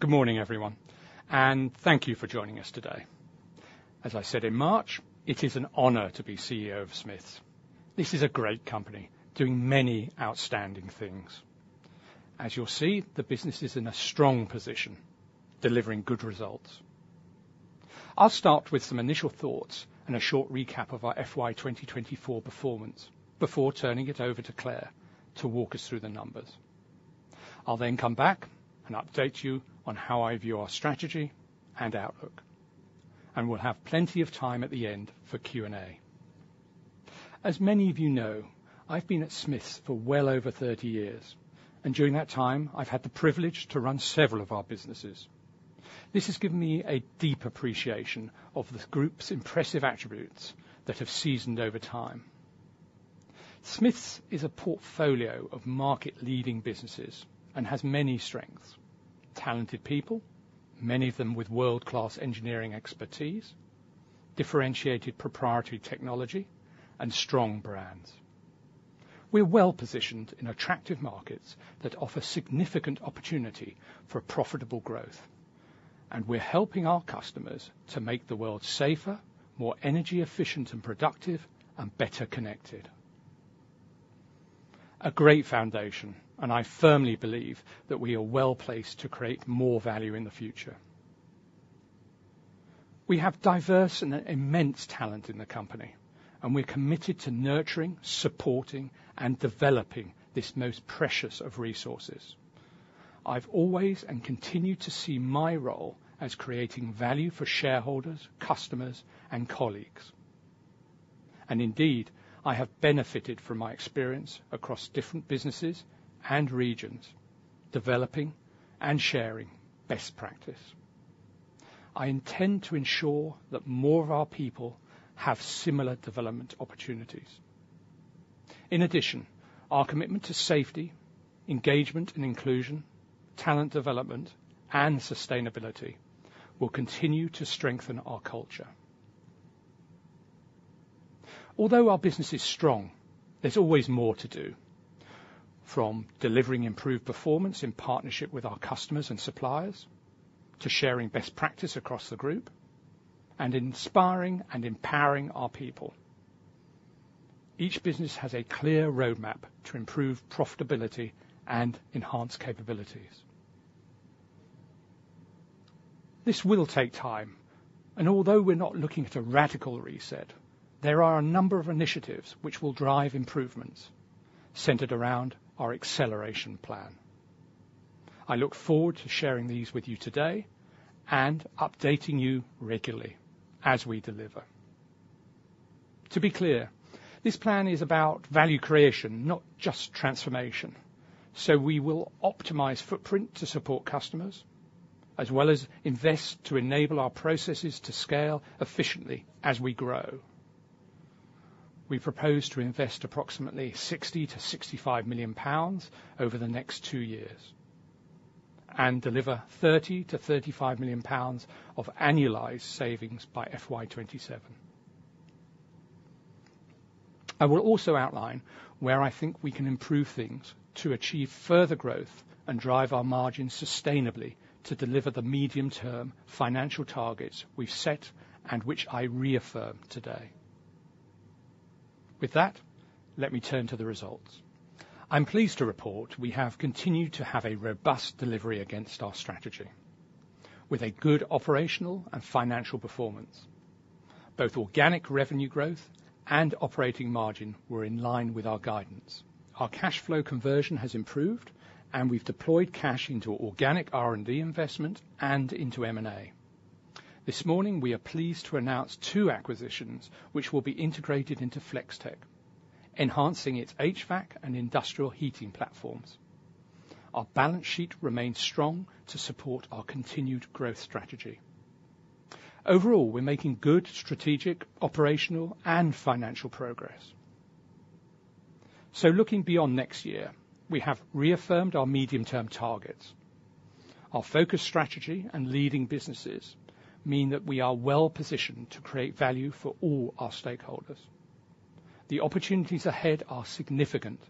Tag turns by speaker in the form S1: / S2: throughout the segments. S1: Good morning, everyone, and thank you for joining us today. As I said in March, it is an honor to be CEO of Smiths. This is a great company doing many outstanding things. As you'll see, the business is in a strong position, delivering good results. I'll start with some initial thoughts and a short recap of our FY 2024 performance before turning it over to Clare to walk us through the numbers. I'll then come back and update you on how I view our strategy and outlook, and we'll have plenty of time at the end for Q&A. As many of you know, I've been at Smiths for well over thirty years, and during that time, I've had the privilege to run several of our businesses. This has given me a deep appreciation of the group's impressive attributes that have seasoned over time. Smiths is a portfolio of market-leading businesses and has many strengths, talented people, many of them with world-class engineering expertise, differentiated proprietary technology, and strong brands. We're well-positioned in attractive markets that offer significant opportunity for profitable growth, and we're helping our customers to make the world safer, more energy efficient and productive, and better connected. A great foundation, and I firmly believe that we are well-placed to create more value in the future. We have diverse and immense talent in the company, and we're committed to nurturing, supporting, and developing this most precious of resources. I've always and continue to see my role as creating value for shareholders, customers, and colleagues. And indeed, I have benefited from my experience across different businesses and regions, developing and sharing best practice. I intend to ensure that more of our people have similar development opportunities. In addition, our commitment to safety, engagement and inclusion, talent development, and sustainability will continue to strengthen our culture. Although our business is strong, there's always more to do, from delivering improved performance in partnership with our customers and suppliers, to sharing best practice across the group and inspiring and empowering our people. Each business has a clear roadmap to improve profitability and enhance capabilities. This will take time, and although we're not looking at a radical reset, there are a number of initiatives which will drive improvements centered around our acceleration plan. I look forward to sharing these with you today and updating you regularly as we deliver. To be clear, this plan is about value creation, not just transformation, so we will optimize footprint to support customers, as well as invest to enable our processes to scale efficiently as we grow. We propose to invest approximately 60 million- 65 million pounds over the next two years and deliver 30 million-35 million pounds of annualized savings by FY 2027. I will also outline where I think we can improve things to achieve further growth and drive our margins sustainably to deliver the medium-term financial targets we've set and which I reaffirm today. With that, let me turn to the results. I'm pleased to report we have continued to have a robust delivery against our strategy with a good operational and financial performance. Both organic revenue growth and operating margin were in line with our guidance. Our cash flow conversion has improved, and we've deployed cash into organic R&D investment and into M&A. This morning, we are pleased to announce two acquisitions, which will be integrated into Flex-Tek, enhancing its HVAC and industrial heating platforms. Our balance sheet remains strong to support our continued growth strategy. Overall, we're making good strategic, operational, and financial progress. So looking beyond next year, we have reaffirmed our medium-term targets. Our focused strategy and leading businesses mean that we are well-positioned to create value for all our stakeholders. The opportunities ahead are significant,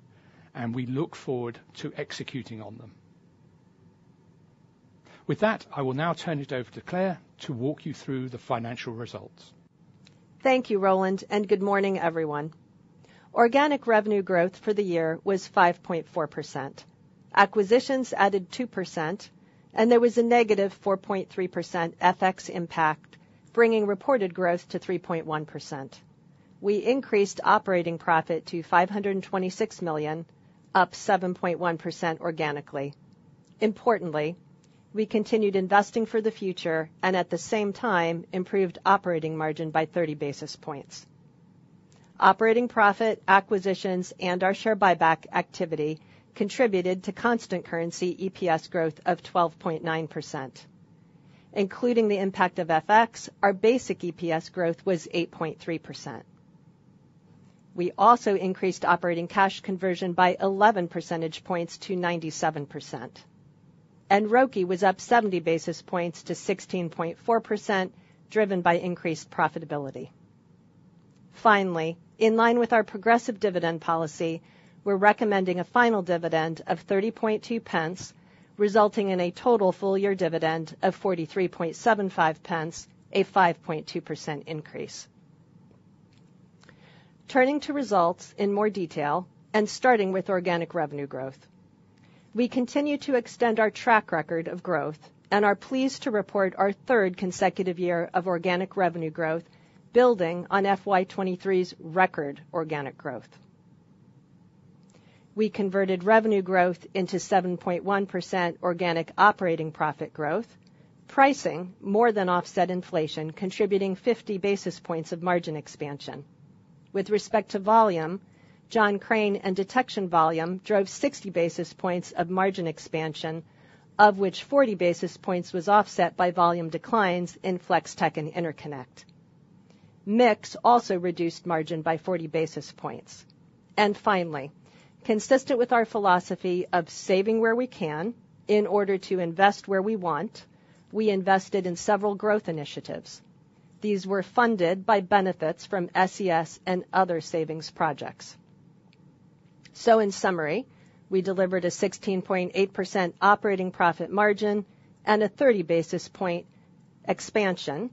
S1: and we look forward to executing on them. With that, I will now turn it over to Clare to walk you through the financial results.
S2: Thank you, Roland, and good morning, everyone. Organic revenue growth for the year was 5.4%. Acquisitions added 2%, and there was a negative 4.3% FX impact, bringing reported growth to 3.1%. We increased operating profit to 526 million, up 7.1% organically. Importantly, we continued investing for the future and at the same time, improved operating margin by 30 basis points. Operating profit, acquisitions, and our share buyback activity contributed to constant currency EPS growth of 12.9%. Including the impact of FX, our basic EPS growth was 8.3%. We also increased operating cash conversion by 11 percentage points to 97%, and ROIC was up 70 basis points to 16.4%, driven by increased profitability. Finally, in line with our progressive dividend policy, we're recommending a final dividend of 30.2 pence, resulting in a total full-year dividend of 43.75 pence, a 5.2% increase. Turning to results in more detail and starting with organic revenue growth. We continue to extend our track record of growth and are pleased to report our third consecutive year of organic revenue growth, building on FY 2023's record organic growth. We converted revenue growth into 7.1% organic operating profit growth, pricing more than offset inflation, contributing 50 basis points of margin expansion. With respect to volume, John Crane and Detection volume drove 60 basis points of margin expansion, of which 40 basis points was offset by volume declines in Flex-Tek and Interconnect. Mix also reduced margin by 40 basis points. And finally, consistent with our philosophy of saving where we can in order to invest where we want, we invested in several growth initiatives. These were funded by benefits from SES and other savings projects. So in summary, we delivered a 16.8% operating profit margin and a 30 basis point expansion,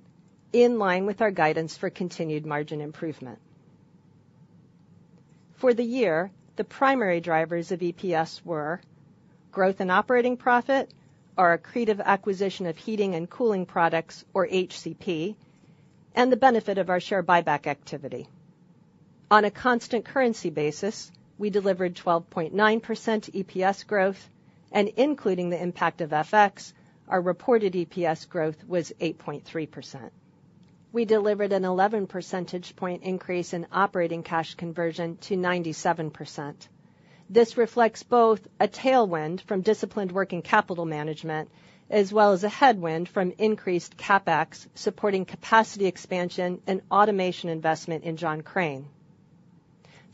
S2: in line with our guidance for continued margin improvement. For the year, the primary drivers of EPS were growth in operating profit, our accretive acquisition of Heating & Cooling Products, or HCP, and the benefit of our share buyback activity. On a constant currency basis, we delivered 12.9% EPS growth, and including the impact of FX, our reported EPS growth was 8.3%. We delivered an 11 percentage point increase in operating cash conversion to 97%. This reflects both a tailwind from disciplined working capital management as well as a headwind from increased CapEx, supporting capacity expansion and automation investment in John Crane.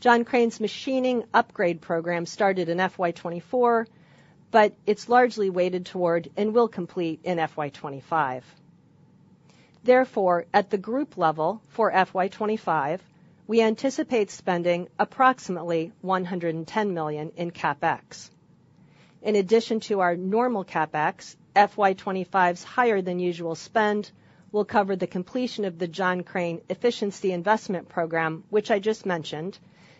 S2: John Crane's machining upgrade program started in FY 2024, but it's largely weighted toward and will complete in FY 2025. Therefore, at the group level for FY 2025, we anticipate spending approximately 110 million in CapEx. In addition to our normal CapEx, FY 2025's higher than usual spend will cover the completion of the John Crane Efficiency Investment Program, which I just mentioned,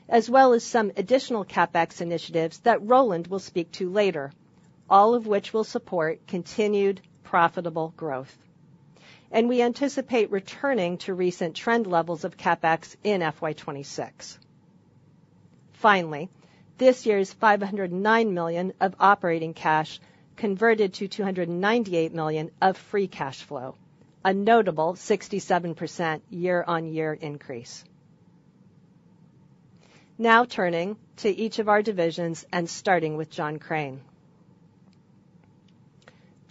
S2: as well as some additional CapEx initiatives that Roland will speak to later, all of which will support continued profitable growth. And we anticipate returning to recent trend levels of CapEx in FY 2026. Finally, this year's 509 million of operating cash converted to 298 million of free cash flow, a notable 67% year-on-year increase. Now turning to each of our divisions and starting with John Crane. John Crane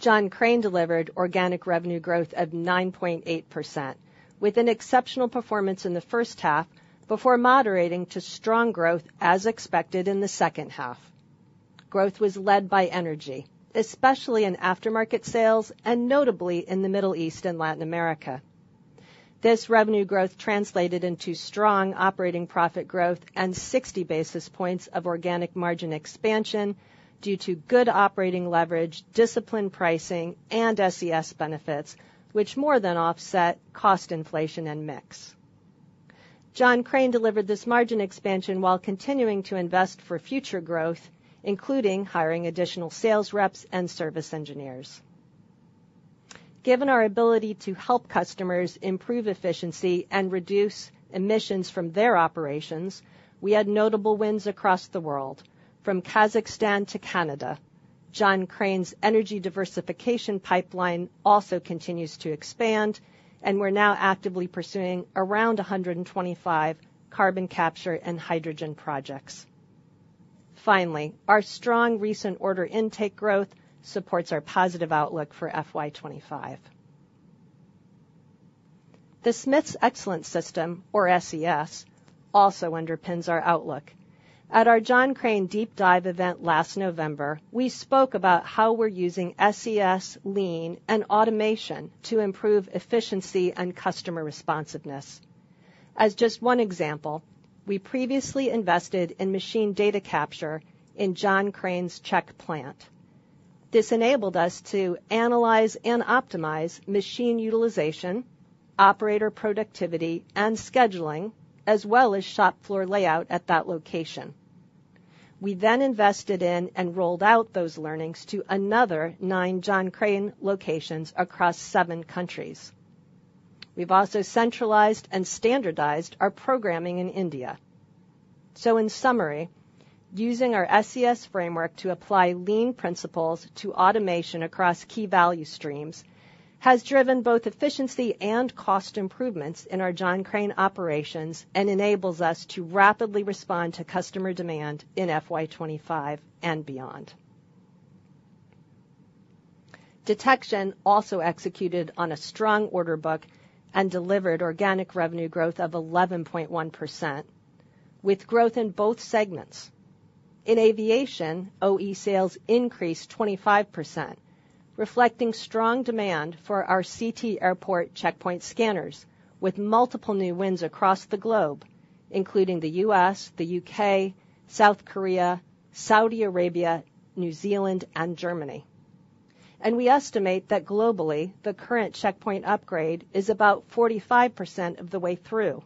S2: delivered organic revenue growth of 9.8%, with an exceptional performance in the first half before moderating to strong growth as expected in the second half. Growth was led by energy, especially in aftermarket sales and notably in the Middle East and Latin America. This revenue growth translated into strong operating profit growth and 60 basis points of organic margin expansion due to good operating leverage, disciplined pricing, and SES benefits, which more than offset cost inflation and mix. John Crane delivered this margin expansion while continuing to invest for future growth, including hiring additional sales reps and service engineers. Given our ability to help customers improve efficiency and reduce emissions from their operations, we had notable wins across the world, from Kazakhstan to Canada. John Crane's energy diversification pipeline also continues to expand, and we're now actively pursuing around 125 carbon capture and hydrogen projects. Finally, our strong recent order intake growth supports our positive outlook for FY 2025. The Smiths Excellence System, or SES, also underpins our outlook. At our John Crane deep dive event last November, we spoke about how we're using SES, Lean, and automation to improve efficiency and customer responsiveness. As just one example, we previously invested in machine data capture in John Crane's Czech plant. This enabled us to analyze and optimize machine utilization, operator productivity, and scheduling, as well as shop floor layout at that location. We then invested in and rolled out those learnings to another nine John Crane locations across seven countries. We've also centralized and standardized our programming in India. So in summary, using our SES framework to apply Lean principles to automation across key value streams has driven both efficiency and cost improvements in our John Crane operations and enables us to rapidly respond to customer demand in FY 2025 and beyond. Detection also executed on a strong order book and delivered organic revenue growth of 11.1%, with growth in both segments. In aviation, OE sales increased 25%, reflecting strong demand for our CT airport checkpoint scanners, with multiple new wins across the globe, including the U.S., the U.K., South Korea, Saudi Arabia, New Zealand, and Germany. We estimate that globally, the current checkpoint upgrade is about 45% of the way through,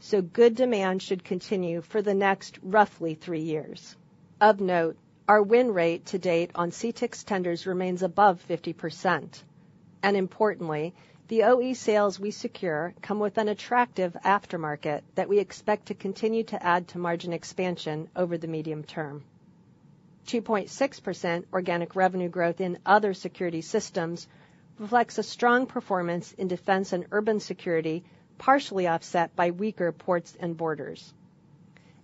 S2: so good demand should continue for the next roughly three years. Of note, our win rate to date on CTX tenders remains above 50%, and importantly, the OE sales we secure come with an attractive aftermarket that we expect to continue to add to margin expansion over the medium term. 2.6% organic revenue growth in other security systems reflects a strong performance in defense and urban security, partially offset by weaker ports and borders.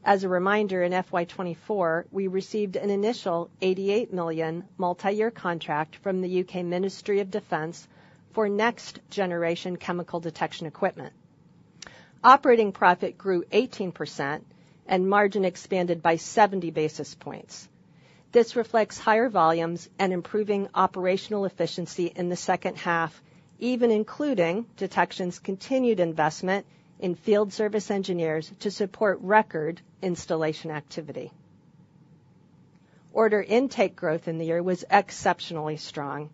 S2: As a reminder, in FY 2024, we received an initial 88 million multi-year contract from the UK Ministry of Defence for next-generation chemical detection equipment. Operating profit grew 18% and margin expanded by 70 basis points. This reflects higher volumes and improving operational efficiency in the second half, even including Detection's continued investment in field service engineers to support record installation activity. Order intake growth in the year was exceptionally strong,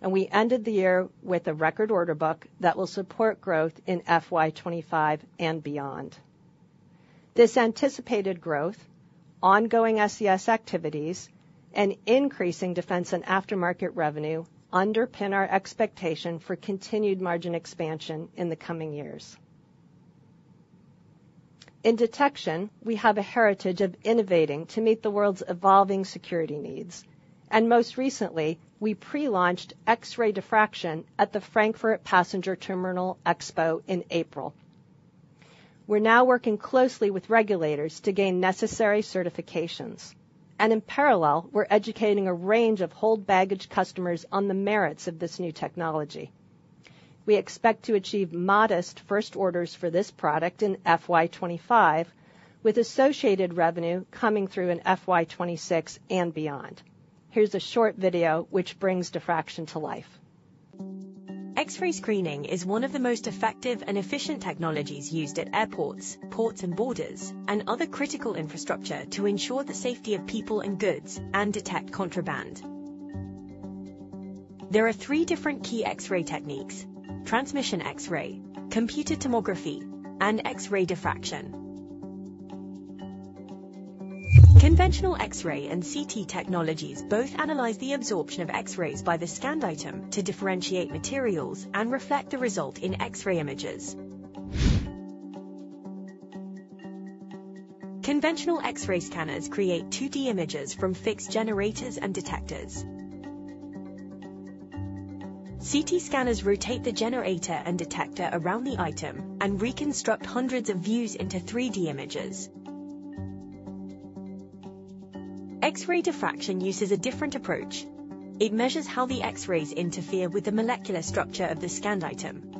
S2: and we ended the year with a record order book that will support growth in FY 2025 and beyond. This anticipated growth, ongoing SES activities, and increasing defense and aftermarket revenue underpin our expectation for continued margin expansion in the coming years. In Detection, we have a heritage of innovating to meet the world's evolving security needs, and most recently, we pre-launched X-ray diffraction at the Frankfurt Passenger Terminal Expo in April. We're now working closely with regulators to gain necessary certifications, and in parallel, we're educating a range of hold baggage customers on the merits of this new technology. We expect to achieve modest first orders for this product in FY 2025, with associated revenue coming through in FY 2026 and beyond. Here's a short video which brings diffraction to life. X-ray screening is one of the most effective and efficient technologies used at airports, ports, and borders, and other critical infrastructure to ensure the safety of people and goods and detect contraband. There are three different key X-ray techniques: transmission X-ray, computed tomography, and X-ray diffraction. Conventional X-ray and CT technologies both analyze the absorption of X-rays by the scanned item to differentiate materials and reflect the result in X-ray images. Conventional X-ray scanners create 2D images from fixed generators and detectors. CT scanners rotate the generator and detector around the item and reconstruct hundreds of views into 3D images. X-ray diffraction uses a different approach. It measures how the X-rays interfere with the molecular structure of the scanned item.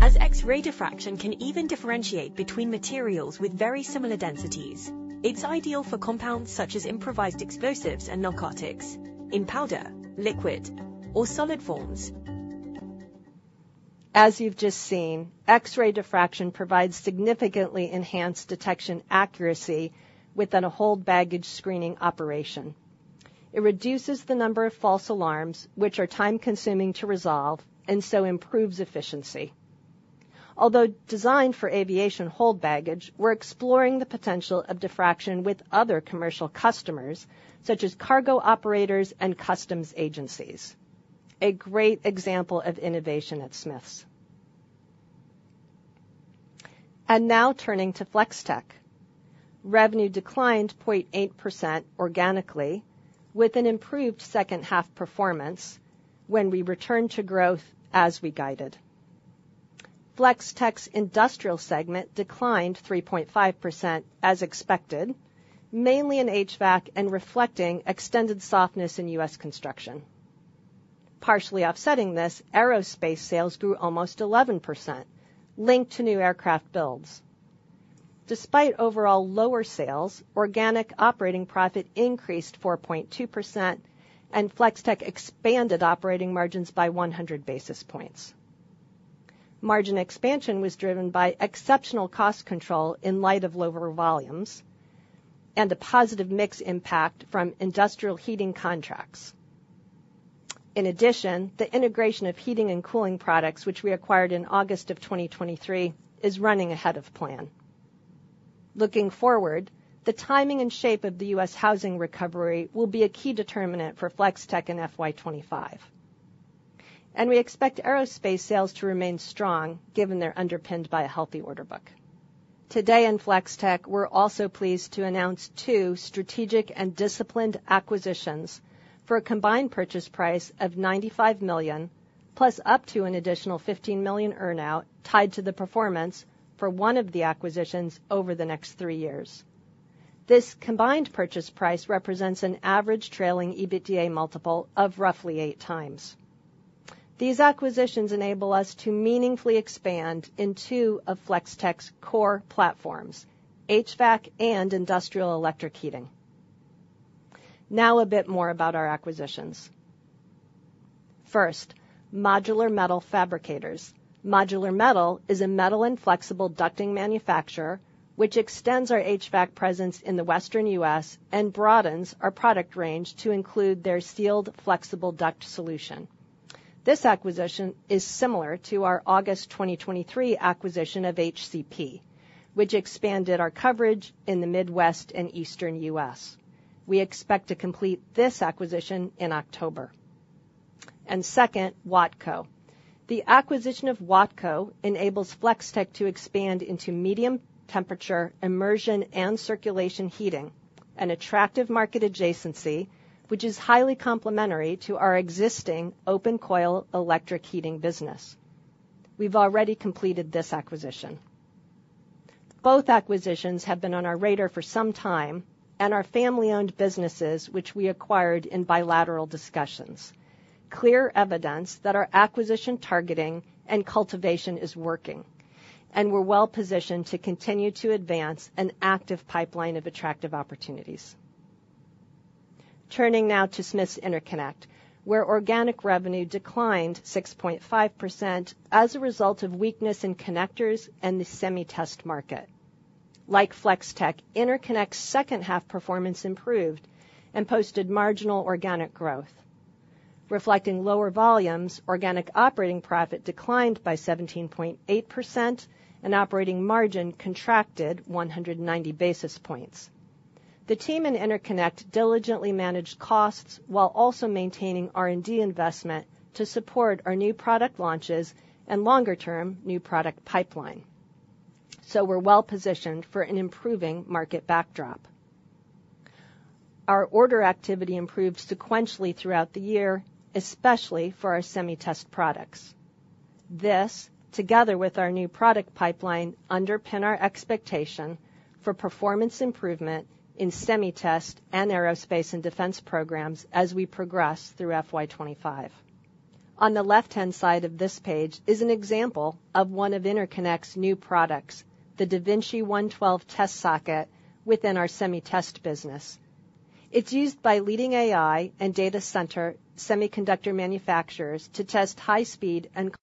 S2: As X-ray diffraction can even differentiate between materials with very similar densities, it's ideal for compounds such as improvised explosives and narcotics in powder, liquid, or solid forms. As you've just seen, X-ray diffraction provides significantly enhanced detection accuracy within a whole baggage screening operation. It reduces the number of false alarms, which are time-consuming to resolve, and so improves efficiency. Although designed for aviation hold baggage, we're exploring the potential of diffraction with other commercial customers, such as cargo operators and customs agencies. A great example of innovation at Smiths. Now turning to Flex-Tek. Revenue declined 0.8% organically, with an improved second half performance when we returned to growth as we guided. Flex-Tek's industrial segment declined 3.5%, as expected, mainly in HVAC and reflecting extended softness in U.S. construction. Partially offsetting this, aerospace sales grew almost 11%, linked to new aircraft builds. Despite overall lower sales, organic operating profit increased 4.2%, and Flex-Tek expanded operating margins by 100 basis points. Margin expansion was driven by exceptional cost control in light of lower volumes and a positive mix impact from industrial heating contracts. In addition, the integration of Heating & Cooling Products, which we acquired in August of 2023, is running ahead of plan. Looking forward, the timing and shape of the U.S. housing recovery will be a key determinant for Flex-Tek in FY 2025, and we expect aerospace sales to remain strong, given they're underpinned by a healthy order book. Today in Flex-Tek, we're also pleased to announce two strategic and disciplined acquisitions for a combined purchase price of 95 million, plus up to an additional 15 million earn-out, tied to the performance for one of the acquisitions over the next three years. This combined purchase price represents an average trailing EBITDA multiple of roughly eight times. These acquisitions enable us to meaningfully expand in two of Flex-Tek's core platforms, HVAC and industrial electric heating. Now a bit more about our acquisitions. First, Modular Metal Fabricators. Modular Metal is a metal and flexible ducting manufacturer, which extends our HVAC presence in the Western U.S. and broadens our product range to include their sealed flexible duct solution. This acquisition is similar to our August 2023 acquisition of HCP, which expanded our coverage in the Midwest and Eastern U.S. We expect to complete this acquisition in October. And second, Wattco. The acquisition of Wattco enables Flex-Tek to expand into medium temperature, immersion, and circulation heating, an attractive market adjacency, which is highly complementary to our existing open coil electric heating business. We've already completed this acquisition. Both acquisitions have been on our radar for some time, and are family-owned businesses, which we acquired in bilateral discussions. Clear evidence that our acquisition, targeting, and cultivation is working, and we're well-positioned to continue to advance an active pipeline of attractive opportunities. Turning now to Smiths Interconnect, where organic revenue declined 6.5% as a result of weakness in connectors and the semi-test market. Like Flex-Tek, Interconnect's second half performance improved and posted marginal organic growth. Reflecting lower volumes, organic operating profit declined by 17.8%, and operating margin contracted 190 basis points. The team in Interconnect diligently managed costs while also maintaining R&D investment to support our new product launches and longer-term new product pipeline, so we're well-positioned for an improving market backdrop. Our order activity improved sequentially throughout the year, especially for our semi-test products. This, together with our new product pipeline, underpin our expectation for performance improvement in semi-test and aerospace and defense programs as we progress through FY 2025. On the left-hand side of this page is an example of one of Interconnect's new products, the DaVinci 112 test socket, within our semi-test business. It's used by leading AI and data center semiconductor manufacturers to test high speed and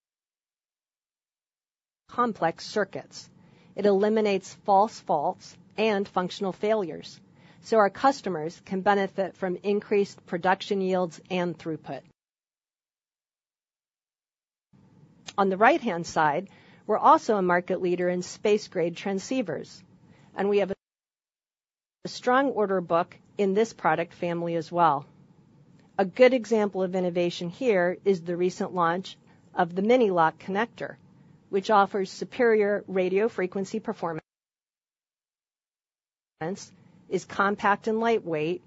S2: complex circuits. It eliminates false faults and functional failures, so our customers can benefit from increased production yields and throughput. On the right-hand side, we're also a market leader in space-grade transceivers, and we have a strong order book in this product family as well. A good example of innovation here is the recent launch of the Mini-Lock Connector, which offers superior radio frequency performance, is compact and lightweight,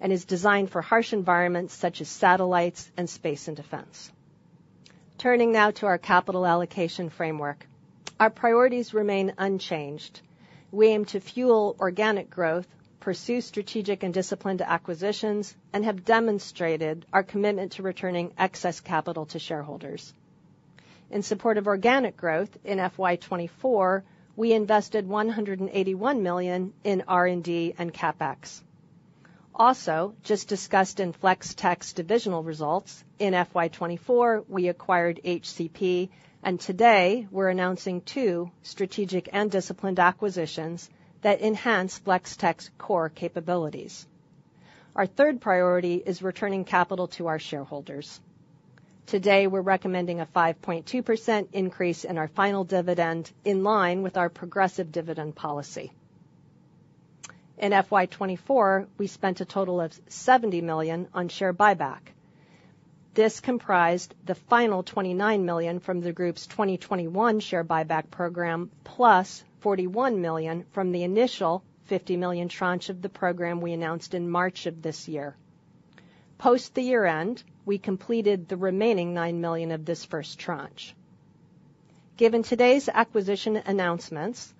S2: and is designed for harsh environments such as satellites and space and defense. Turning now to our capital allocation framework. Our priorities remain unchanged. We aim to fuel organic growth, pursue strategic and disciplined acquisitions, and have demonstrated our commitment to returning excess capital to shareholders. In support of organic growth in FY 2024, we invested 181 million in R&D and CapEx. Also, just discussed in Flex-Tek's divisional results, in FY 2024, we acquired HCP, and today we're announcing two strategic and disciplined acquisitions that enhance Flex-Tek's core capabilities. Our third priority is returning capital to our shareholders. Today, we're recommending a 5.2% increase in our final dividend, in line with our progressive dividend policy. In FY 2024, we spent a total of 70 million on share buyback. This comprised the final 29 million from the Group's 2021 share buyback program, plus 41 million from the initial 50 million tranche of the program we announced in March of this year. Post the year-end, we completed the remaining 9 million of this first tranche. Given today's acquisition announcements,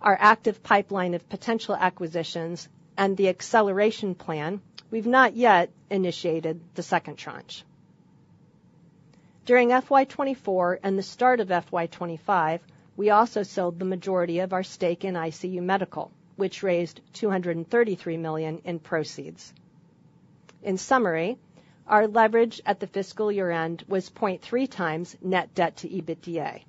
S2: our active pipeline of potential acquisitions and the acceleration plan, we've not yet initiated the second tranche. During FY 2024 and the start of FY 2025, we also sold the majority of our stake in ICU Medical, which raised 233 million in proceeds. In summary, our leverage at the fiscal year-end was 0.3 times net debt to EBITDA.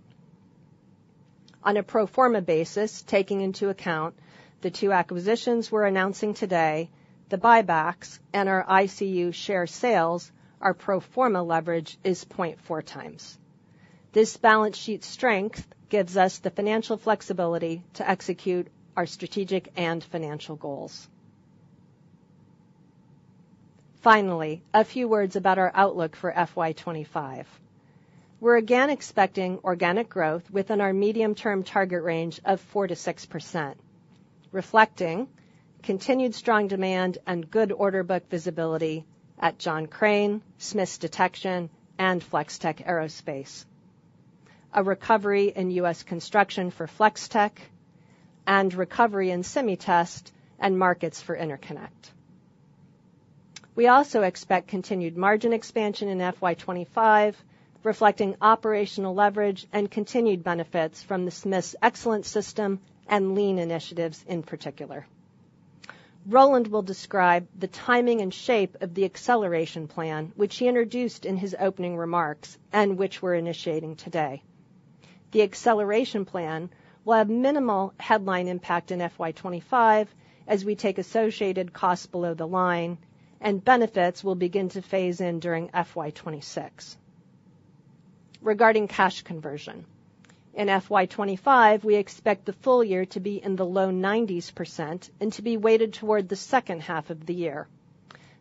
S2: On a pro forma basis, taking into account the two acquisitions we're announcing today, the buybacks and our ICU share sales, our pro forma leverage is 0.4x. This balance sheet strength gives us the financial flexibility to execute our strategic and financial goals. Finally, a few words about our outlook for FY 2025. We're again expecting organic growth within our medium-term target range of 4%-6%, reflecting continued strong demand and good order book visibility at John Crane, Smiths Detection, and Flex-Tek Aerospace.... a recovery in U.S. construction for Flex-Tek, and recovery in semi-test and markets for Interconnect. We also expect continued margin expansion in FY 2025, reflecting operational leverage and continued benefits from the Smiths Excellence System and Lean initiatives, in particular. Roland will describe the timing and shape of the acceleration plan, which he introduced in his opening remarks, and which we're initiating today. The acceleration plan will have minimal headline impact in FY 2025, as we take associated costs below the line, and benefits will begin to phase in during FY 2026. Regarding cash conversion, in FY 2025, we expect the full year to be in the low 90s% and to be weighted toward the second half of the year.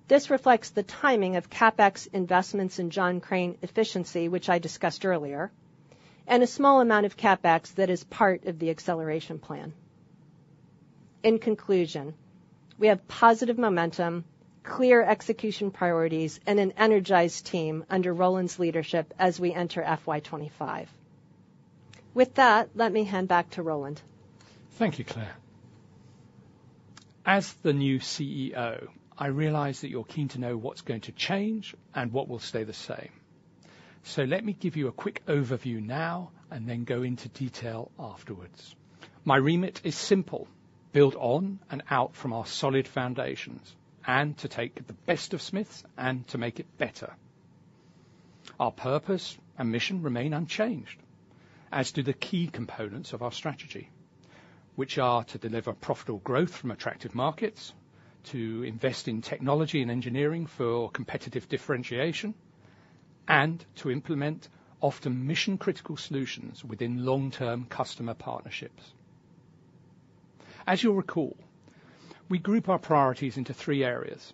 S2: This reflects the timing of CapEx investments in John Crane efficiency, which I discussed earlier, and a small amount of CapEx that is part of the acceleration plan. In conclusion, we have positive momentum, clear execution priorities, and an energized team under Roland's leadership as we enter FY 2025. With that, let me hand back to Roland.
S1: Thank you, Clare. As the new CEO, I realize that you're keen to know what's going to change and what will stay the same. So let me give you a quick overview now and then go into detail afterwards. My remit is simple: build on and out from our solid foundations, and to take the best of Smiths and to make it better. Our purpose and mission remain unchanged, as do the key components of our strategy, which are to deliver profitable growth from attractive markets, to invest in technology and engineering for competitive differentiation, and to implement often mission-critical solutions within long-term customer partnerships. As you'll recall, we group our priorities into three areas.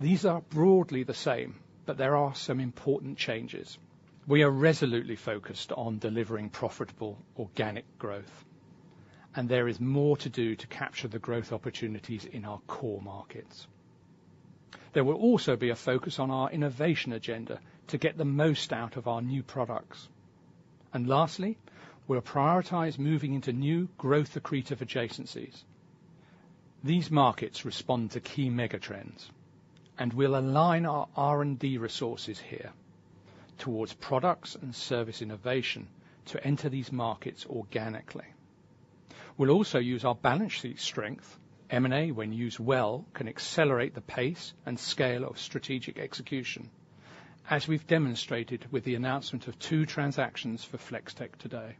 S1: These are broadly the same, but there are some important changes. We are resolutely focused on delivering profitable organic growth, and there is more to do to capture the growth opportunities in our core markets. There will also be a focus on our innovation agenda to get the most out of our new products. And lastly, we'll prioritize moving into new growth, accretive adjacencies. These markets respond to key mega trends, and we'll align our R&D resources here towards products and service innovation to enter these markets organically. We'll also use our balance sheet strength. M&A, when used well, can accelerate the pace and scale of strategic execution, as we've demonstrated with the announcement of two transactions for Flex-Tek today.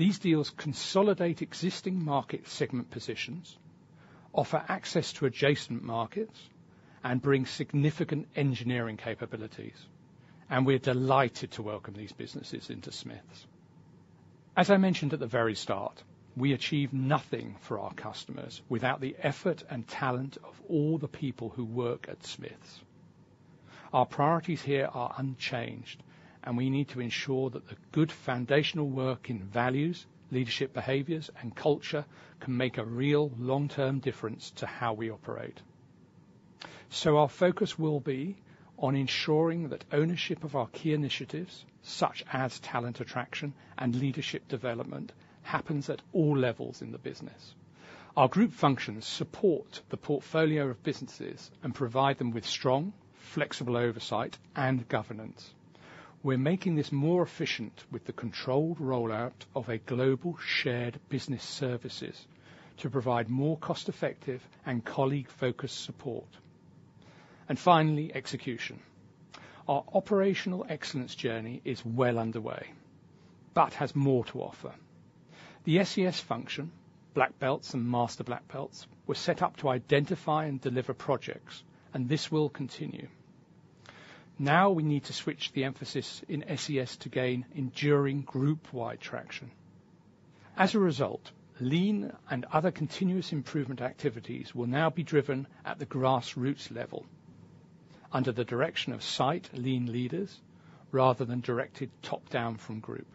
S1: These deals consolidate existing market segment positions, offer access to adjacent markets, and bring significant engineering capabilities, and we're delighted to welcome these businesses into Smiths. As I mentioned at the very start, we achieve nothing for our customers without the effort and talent of all the people who work at Smiths. Our priorities here are unchanged, and we need to ensure that the good foundational work in values, leadership, behaviors, and culture can make a real long-term difference to how we operate. So our focus will be on ensuring that ownership of our key initiatives, such as talent attraction and leadership development, happens at all levels in the business. Our group functions support the portfolio of businesses and provide them with strong, flexible oversight and governance. We're making this more efficient with the controlled rollout of a global shared business services to provide more cost-effective and colleague-focused support. And finally, execution. Our operational excellence journey is well underway, but has more to offer. The SES function, Black Belts and Master Black Belts, were set up to identify and deliver projects, and this will continue. Now, we need to switch the emphasis in SES to gain enduring group-wide traction. As a result, Lean and other continuous improvement activities will now be driven at the grassroots level under the direction of site Lean leaders, rather than directed top-down from group.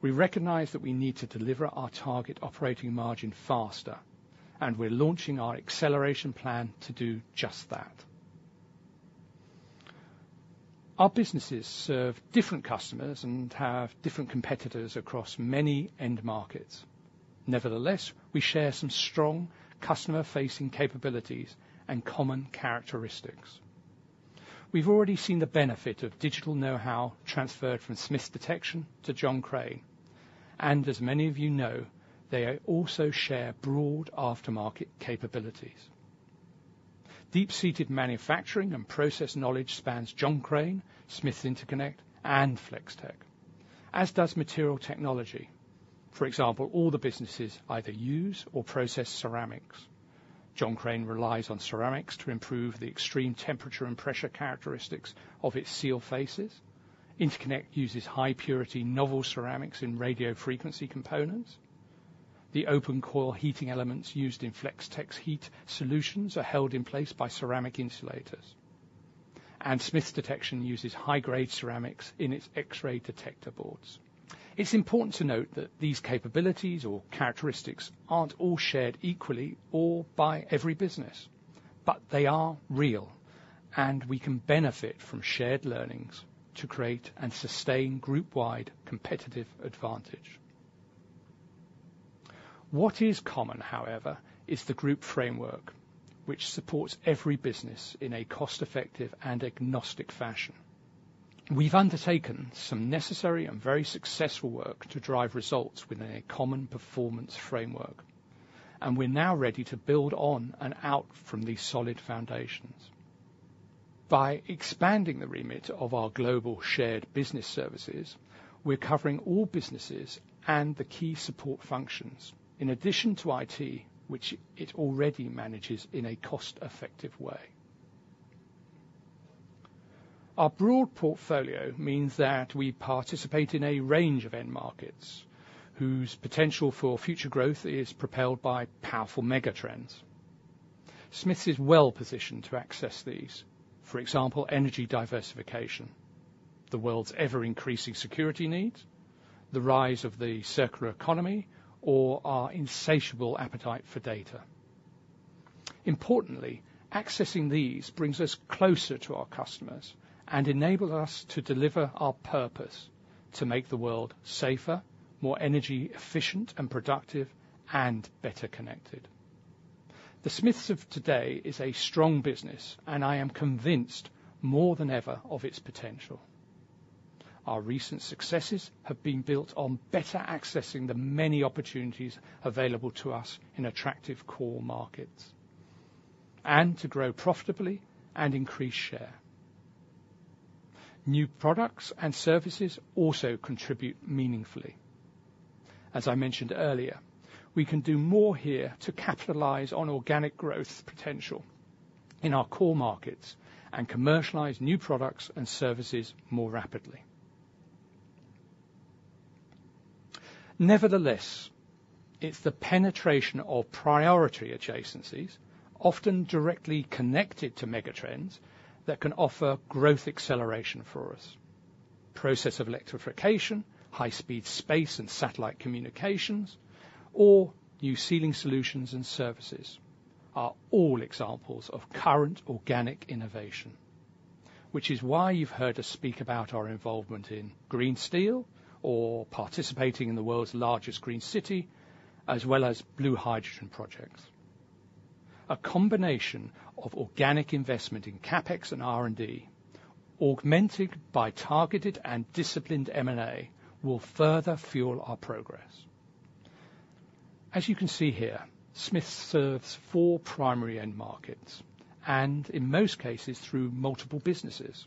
S1: We recognize that we need to deliver our target operating margin faster, and we're launching our acceleration plan to do just that. Our businesses serve different customers and have different competitors across many end markets. Nevertheless, we share some strong customer-facing capabilities and common characteristics. We've already seen the benefit of digital know-how transferred from Smiths Detection to John Crane, and as many of you know, they also share broad aftermarket capabilities. Deep-seated manufacturing and process knowledge spans John Crane, Smiths Interconnect, and Flex-Tek, as does material technology. For example, all the businesses either use or process ceramics. John Crane relies on ceramics to improve the extreme temperature and pressure characteristics of its seal faces. Interconnect uses high-purity, novel ceramics in radio frequency components. The open coil heating elements used in Flex-Tek's Heat Solutions are held in place by ceramic insulators. Smiths Detection uses high-grade ceramics in its X-ray detector boards. It's important to note that these capabilities or characteristics aren't all shared equally or by every business.... but they are real, and we can benefit from shared learnings to create and sustain group-wide competitive advantage. What is common, however, is the group framework, which supports every business in a cost-effective and agnostic fashion. We've undertaken some necessary and very successful work to drive results within a common performance framework, and we're now ready to build on and out from these solid foundations. By expanding the remit of our global shared business services, we're covering all businesses and the key support functions, in addition to IT, which it already manages in a cost-effective way. Our broad portfolio means that we participate in a range of end markets, whose potential for future growth is propelled by powerful megatrends. Smiths is well-positioned to access these. For example, energy diversification, the world's ever-increasing security needs, the rise of the circular economy, or our insatiable appetite for data. Importantly, accessing these brings us closer to our customers and enables us to deliver our purpose to make the world safer, more energy efficient and productive, and better connected. The Smiths of today is a strong business, and I am convinced more than ever of its potential. Our recent successes have been built on better accessing the many opportunities available to us in attractive core markets, and to grow profitably and increase share. New products and services also contribute meaningfully. As I mentioned earlier, we can do more here to capitalize on organic growth potential in our core markets and commercialize new products and services more rapidly. Nevertheless, it's the penetration of priority adjacencies, often directly connected to megatrends, that can offer growth acceleration for us. Process of electrification, high-speed space and satellite communications, or new sealing solutions and services are all examples of current organic innovation, which is why you've heard us speak about our involvement in green steel or participating in the world's largest green city, as well as blue hydrogen projects. A combination of organic investment in CapEx and R&D, augmented by targeted and disciplined M&A, will further fuel our progress. As you can see here, Smiths serves four primary end markets, and in most cases, through multiple businesses.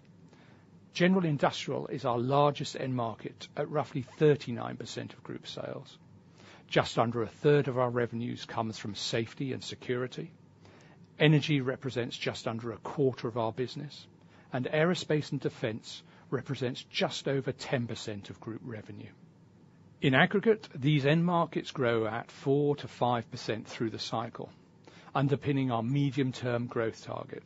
S1: General industrial is our largest end market, at roughly 39% of group sales. Just under a third of our revenues comes from safety and security. Energy represents just under a quarter of our business, and aerospace and defense represents just over 10% of group revenue. In aggregate, these end markets grow at 4-5% through the cycle, underpinning our medium-term growth target.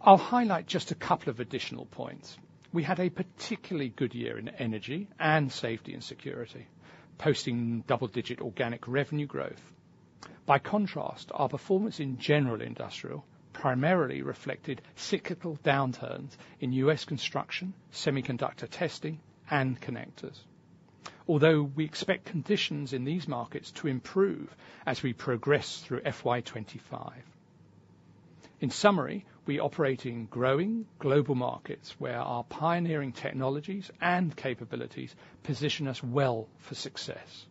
S1: I'll highlight just a couple of additional points. We had a particularly good year in energy and safety and security, posting double-digit organic revenue growth. By contrast, our performance in general industrial primarily reflected cyclical downturns in U.S. construction, semiconductor testing, and connectors. Although we expect conditions in these markets to improve as we progress through FY 2025. In summary, we operate in growing global markets, where our pioneering technologies and capabilities position us well for success.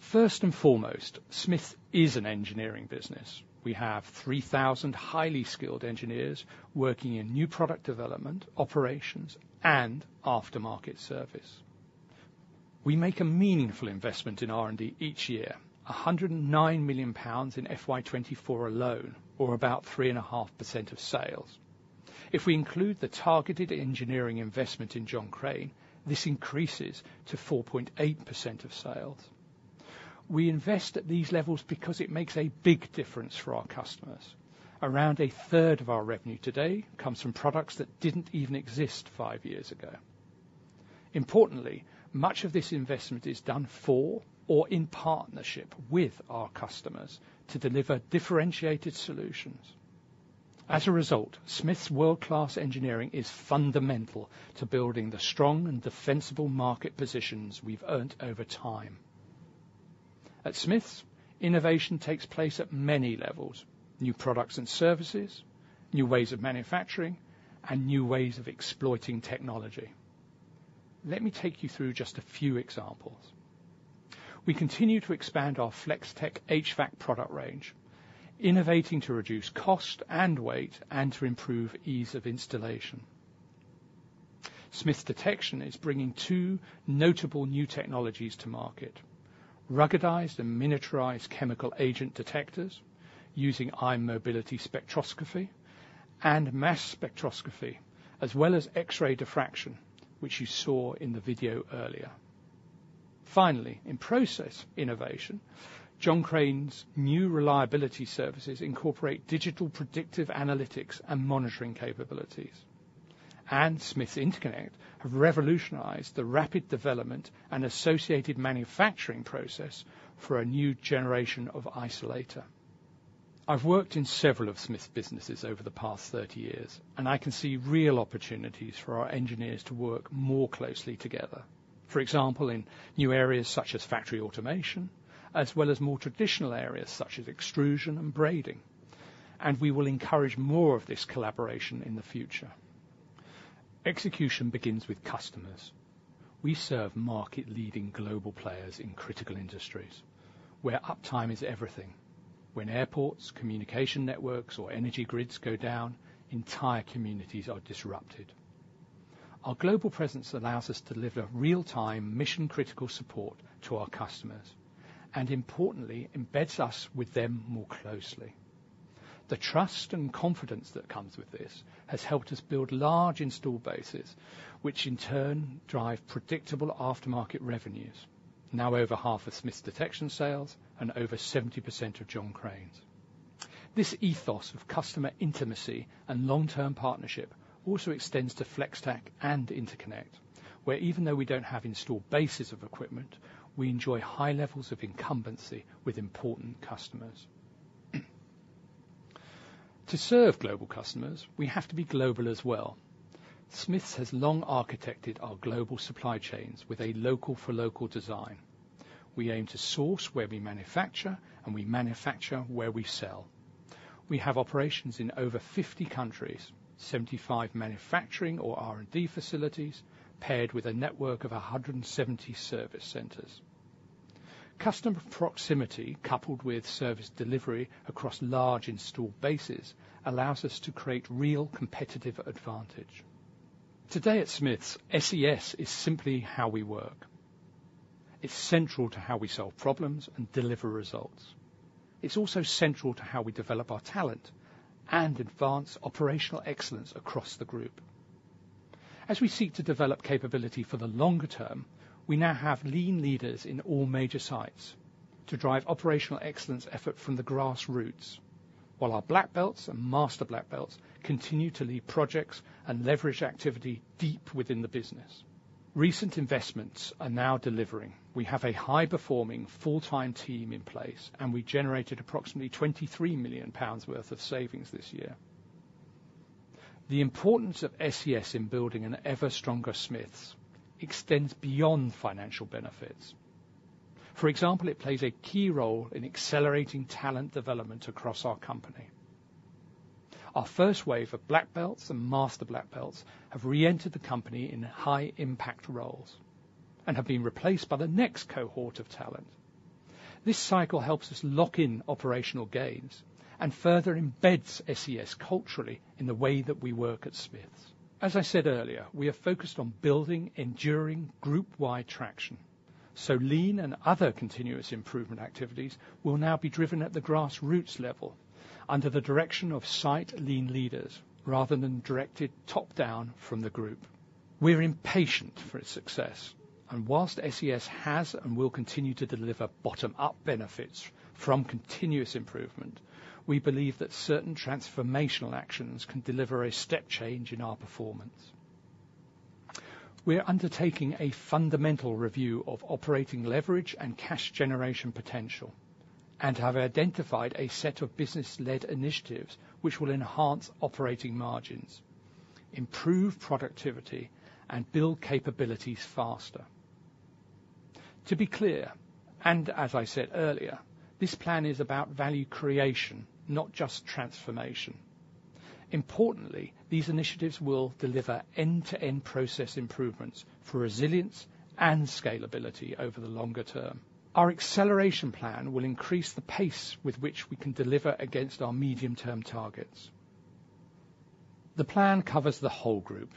S1: First and foremost, Smiths is an engineering business. We have 3,000 highly skilled engineers working in new product development, operations, and aftermarket service. We make a meaningful investment in R&D each year, 109 million pounds in FY 2024 alone, or about 3.5% of sales. If we include the targeted engineering investment in John Crane, this increases to 4.8% of sales. We invest at these levels because it makes a big difference for our customers. Around a third of our revenue today comes from products that didn't even exist five years ago. Importantly, much of this investment is done for or in partnership with our customers to deliver differentiated solutions. As a result, Smiths' world-class engineering is fundamental to building the strong and defensible market positions we've earned over time. At Smiths, innovation takes place at many levels: new products and services, new ways of manufacturing, and new ways of exploiting technology. Let me take you through just a few examples. We continue to expand our Flex-Tek HVAC product range, innovating to reduce cost and weight, and to improve ease of installation. Smiths Detection is bringing two notable new technologies to market: ruggedized and miniaturized chemical agent detectors using ion mobility spectrometry and mass spectrometry, as well as X-ray diffraction, which you saw in the video earlier. Finally, in process innovation, John Crane's new reliability services incorporate digital predictive analytics and monitoring capabilities.... and Smiths Interconnect have revolutionized the rapid development and associated manufacturing process for a new generation of isolator. I've worked in several of Smiths businesses over the past thirty years, and I can see real opportunities for our engineers to work more closely together. For example, in new areas such as factory automation, as well as more traditional areas such as extrusion and braiding. And we will encourage more of this collaboration in the future. Execution begins with customers. We serve market-leading global players in critical industries, where uptime is everything. When airports, communication networks, or energy grids go down, entire communities are disrupted. Our global presence allows us to deliver real-time, mission-critical support to our customers, and importantly, embeds us with them more closely. The trust and confidence that comes with this, has helped us build large installed bases, which in turn drive predictable aftermarket revenues, now over half of Smiths Detection sales and over 70% of John Crane's. This ethos of customer intimacy and long-term partnership also extends to Flex-Tek and Interconnect, where even though we don't have installed bases of equipment, we enjoy high levels of incumbency with important customers. To serve global customers, we have to be global as well. Smiths has long architected our global supply chains with a local for local design. We aim to source where we manufacture, and we manufacture where we sell. We have operations in over 50 countries, 75 manufacturing or R&D facilities, paired with a network of 170 service centers. Customer proximity, coupled with service delivery across large installed bases, allows us to create real competitive advantage. Today at Smiths, SES is simply how we work. It's central to how we solve problems and deliver results. It's also central to how we develop our talent and advance operational excellence across the group. As we seek to develop capability for the longer term, we now have Lean leaders in all major sites to drive operational excellence effort from the grassroots, while our Black Belts and Master Black Belts continue to lead projects and leverage activity deep within the business. Recent investments are now delivering. We have a high-performing, full-time team in place, and we generated approximately 23 million pounds worth of savings this year. The importance of SES in building an ever-stronger Smiths extends beyond financial benefits. For example, it plays a key role in accelerating talent development across our company. Our first wave of Black Belts and Master Black Belts have reentered the company in high impact roles, and have been replaced by the next cohort of talent. This cycle helps us lock in operational gains and further embeds SES culturally in the way that we work at Smiths. As I said earlier, we are focused on building enduring group-wide traction, so Lean and other continuous improvement activities will now be driven at the grassroots level under the direction of site Lean leaders, rather than directed top-down from the group. We're impatient for its success, and whilst SES has and will continue to deliver bottom-up benefits from continuous improvement, we believe that certain transformational actions can deliver a step change in our performance. We are undertaking a fundamental review of operating leverage and cash generation potential, and have identified a set of business-led initiatives which will enhance operating margins, improve productivity, and build capabilities faster. To be clear, and as I said earlier, this plan is about value creation, not just transformation. Importantly, these initiatives will deliver end-to-end process improvements for resilience and scalability over the longer term. Our acceleration plan will increase the pace with which we can deliver against our medium-term targets. The plan covers the whole group,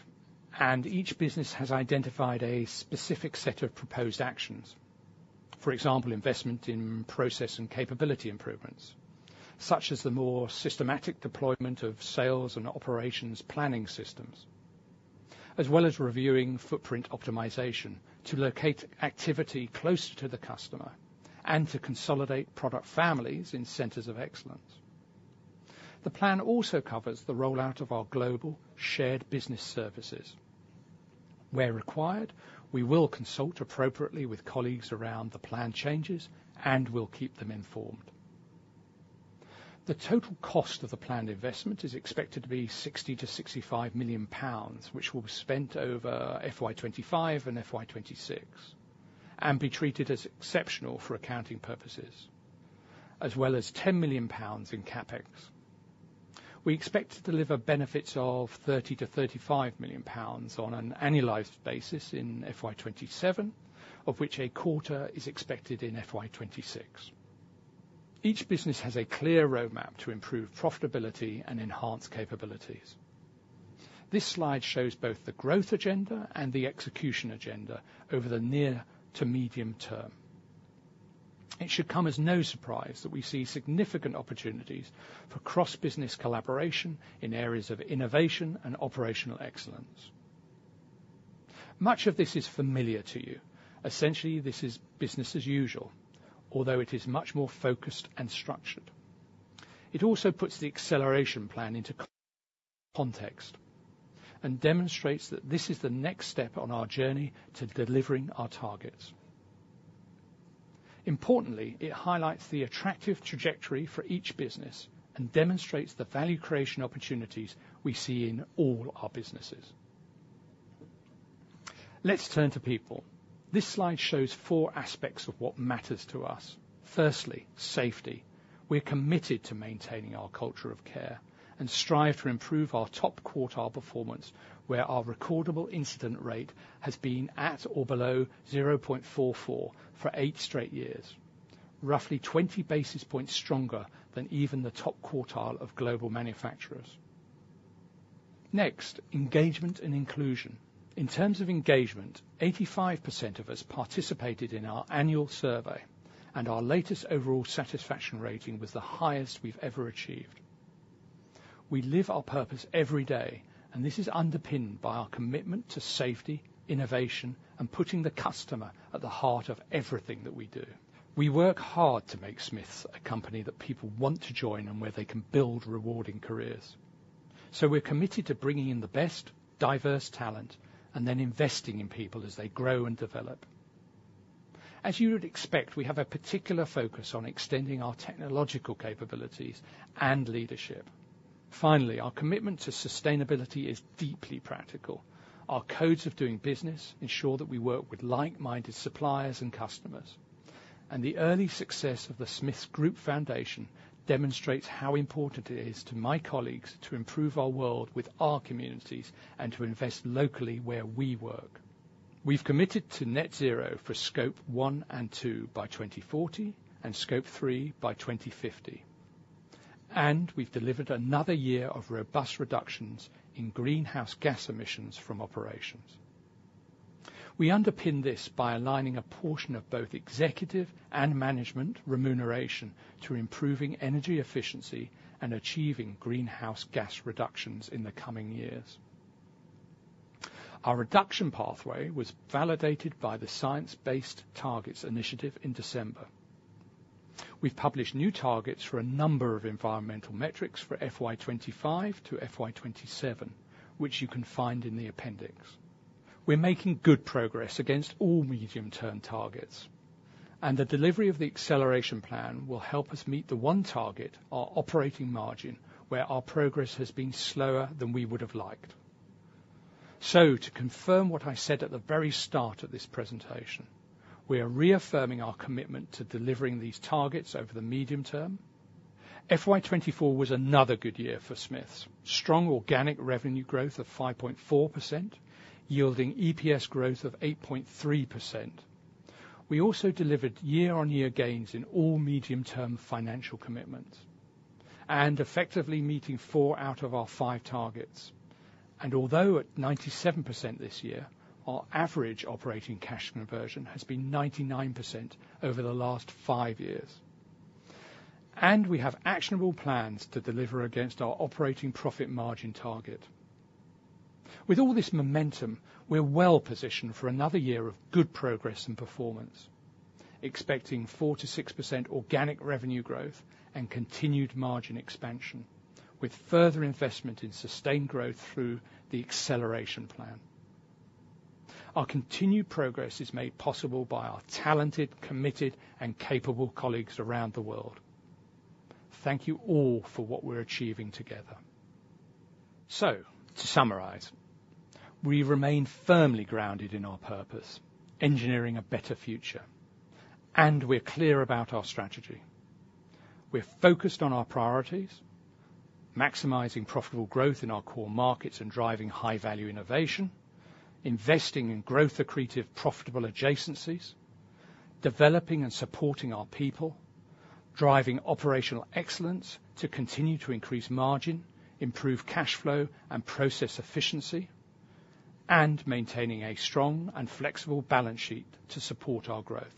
S1: and each business has identified a specific set of proposed actions. For example, investment in process and capability improvements, such as the more systematic deployment of sales and operations planning systems, as well as reviewing footprint optimization to locate activity closer to the customer and to consolidate product families in centers of excellence. The plan also covers the rollout of our global shared business services. Where required, we will consult appropriately with colleagues around the planned changes, and we'll keep them informed. The total cost of the planned investment is expected to be 60 million-65 million pounds, which will be spent over FY 2025 and FY 2026, and be treated as exceptional for accounting purposes, as well as 10 million pounds in CapEx. We expect to deliver benefits of 30 million-35 million pounds on an annualized basis in FY 2027, of which a quarter is expected in FY 2026. Each business has a clear roadmap to improve profitability and enhance capabilities. This slide shows both the growth agenda and the execution agenda over the near to medium term. It should come as no surprise that we see significant opportunities for cross-business collaboration in areas of innovation and operational excellence. Much of this is familiar to you. Essentially, this is business as usual, although it is much more focused and structured. It also puts the acceleration plan into context, and demonstrates that this is the next step on our journey to delivering our targets. Importantly, it highlights the attractive trajectory for each business and demonstrates the value creation opportunities we see in all our businesses. Let's turn to people. This slide shows four aspects of what matters to us. Firstly, safety. We're committed to maintaining our culture of care, and strive to improve our top-quartile performance, where our recordable incident rate has been at or below 0.44 for eight straight years, roughly 20 basis points stronger than even the top quartile of global manufacturers. Next, engagement and inclusion. In terms of engagement, 85% of us participated in our annual survey, and our latest overall satisfaction rating was the highest we've ever achieved. We live our purpose every day, and this is underpinned by our commitment to safety, innovation, and putting the customer at the heart of everything that we do. We work hard to make Smiths a company that people want to join and where they can build rewarding careers. So we're committed to bringing in the best, diverse talent, and then investing in people as they grow and develop. As you would expect, we have a particular focus on extending our technological capabilities and leadership. Finally, our commitment to sustainability is deeply practical. Our codes of doing business ensure that we work with like-minded suppliers and customers, and the early success of the Smiths Group Foundation demonstrates how important it is to my colleagues to improve our world with our communities and to invest locally where we work. We've committed to net zero for Scope 1 and 2 by 2040, and Scope 3 by 2050, and we've delivered another year of robust reductions in greenhouse gas emissions from operations. We underpin this by aligning a portion of both executive and management remuneration to improving energy efficiency and achieving greenhouse gas reductions in the coming years. Our reduction pathway was validated by the Science Based Targets initiative in December. We've published new targets for a number of environmental metrics for FY 2025 to FY 2027, which you can find in the appendix. We're making good progress against all medium-term targets, and the delivery of the acceleration plan will help us meet the one target, our operating margin, where our progress has been slower than we would have liked. So to confirm what I said at the very start of this presentation, we are reaffirming our commitment to delivering these targets over the medium term. FY 2024 was another good year for Smiths. Strong organic revenue growth of 5.4%, yielding EPS growth of 8.3%. We also delivered year-on-year gains in all medium-term financial commitments, and effectively meeting four out of our five targets. Although at 97% this year, our average operating cash conversion has been 99% over the last five years. We have actionable plans to deliver against our operating profit margin target. With all this momentum, we're well-positioned for another year of good progress and performance, expecting 4%-6% organic revenue growth and continued margin expansion, with further investment in sustained growth through the acceleration plan. Our continued progress is made possible by our talented, committed, and capable colleagues around the world. Thank you all for what we're achieving together. To summarize, we remain firmly grounded in our purpose, engineering a better future, and we're clear about our strategy. We're focused on our priorities, maximizing profitable growth in our core markets, and driving high-value innovation, investing in growth-accretive, profitable adjacencies, developing and supporting our people, driving operational excellence to continue to increase margin, improve cash flow and process efficiency, and maintaining a strong and flexible balance sheet to support our growth.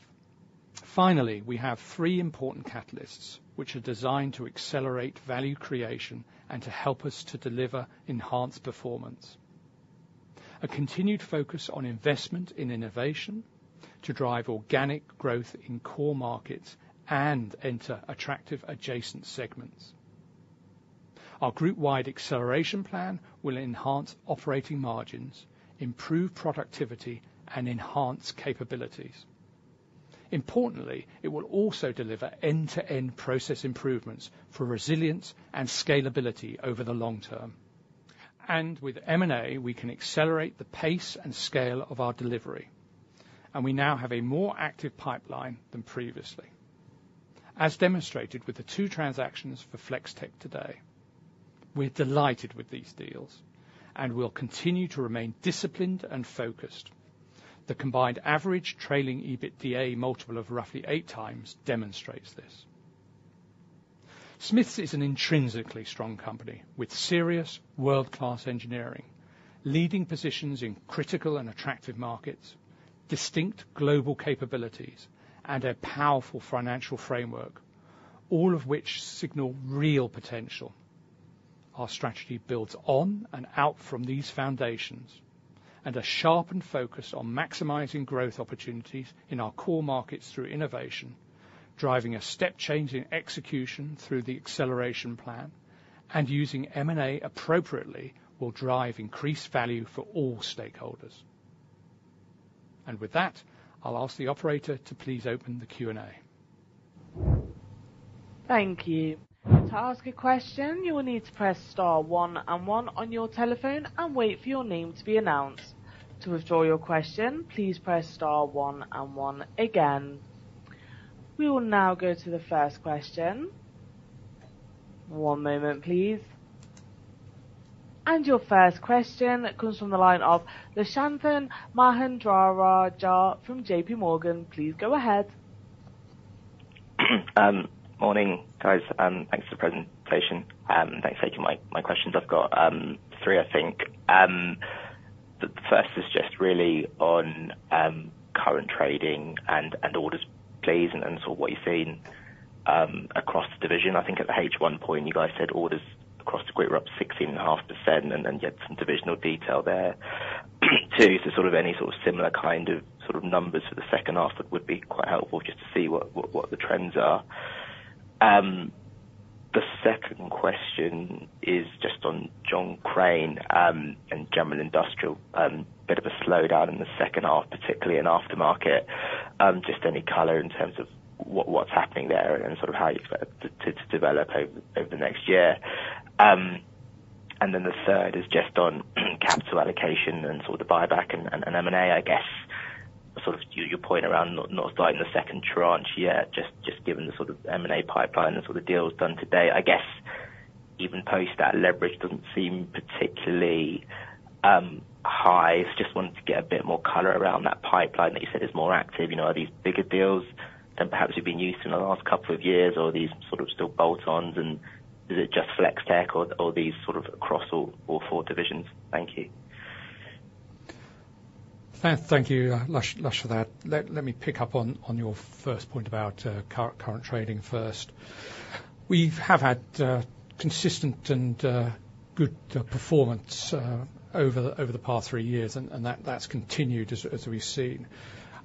S1: Finally, we have three important catalysts, which are designed to accelerate value creation and to help us to deliver enhanced performance. A continued focus on investment in innovation, to drive organic growth in core markets and enter attractive adjacent segments. Our group-wide acceleration plan will enhance operating margins, improve productivity, and enhance capabilities. Importantly, it will also deliver end-to-end process improvements for resilience and scalability over the long term. And with M&A, we can accelerate the pace and scale of our delivery, and we now have a more active pipeline than previously, as demonstrated with the two transactions for Flex-Tek today. We're delighted with these deals, and we'll continue to remain disciplined and focused. The combined average trailing EBITDA multiple of roughly eight times demonstrates this. Smiths is an intrinsically strong company with serious world-class engineering, leading positions in critical and attractive markets, distinct global capabilities, and a powerful financial framework, all of which signal real potential. Our strategy builds on and out from these foundations, and a sharpened focus on maximizing growth opportunities in our core markets through innovation, driving a step change in execution through the acceleration plan, and using M&A appropriately, will drive increased value for all stakeholders. And with that, I'll ask the operator to please open the Q&A.
S3: Thank you. To ask a question, you will need to press star one and one on your telephone and wait for your name to be announced. To withdraw your question, please press star one and one again. We will now go to the first question. One moment, please. And your first question comes from the line of Lushanthan Mahendrarajah from JPMorgan. Please go ahead.
S4: Morning, guys, thanks for the presentation, and thanks for taking my questions. I've got three, I think. The first is just really on current trading and orders, please, and so what you're seeing across the division. I think at the H1 point, you guys said orders across the grid were up 16.5%, and then you had some divisional detail there. Two, so sort of any sort of similar kind of numbers for the second half, that would be quite helpful just to see what the trends are. The second question is just on John Crane, and general industrial, bit of a slowdown in the second half, particularly in aftermarket. Just any color in terms of what's happening there and sort of how you expect it to develop over the next year. And then the third is just on capital allocation and sort of the buyback and M&A, I guess. Sort of your point around not starting the second tranche yet, just given the sort of M&A pipeline and sort of deals done today. I guess, even post that leverage doesn't seem particularly high. Just wanted to get a bit more color around that pipeline that you said is more active. You know, are these bigger deals than perhaps you've been used to in the last couple of years, or are these sort of still bolt-ons, and is it just Flex-Tek or these sort of across all four divisions? Thank you.
S1: Thank you, Lush, for that. Let me pick up on your first point about current trading first. We've had consistent and good performance over the past three years, and that's continued as we've seen.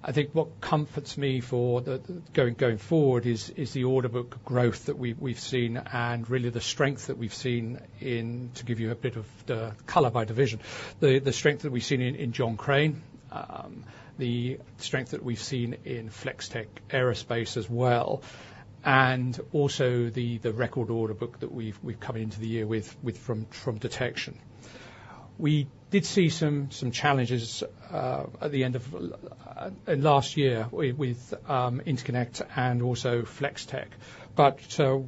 S1: I think what comforts me for the going forward is the order book growth that we've seen and really the strength that we've seen in... To give you a bit of the color by division, the strength that we've seen in John Crane, the strength that we've seen in Flex-Tek Aerospace as well, and also the record order book that we've come into the year with from detection. We did see some challenges at the end of last year with Interconnect and also Flex-Tek. But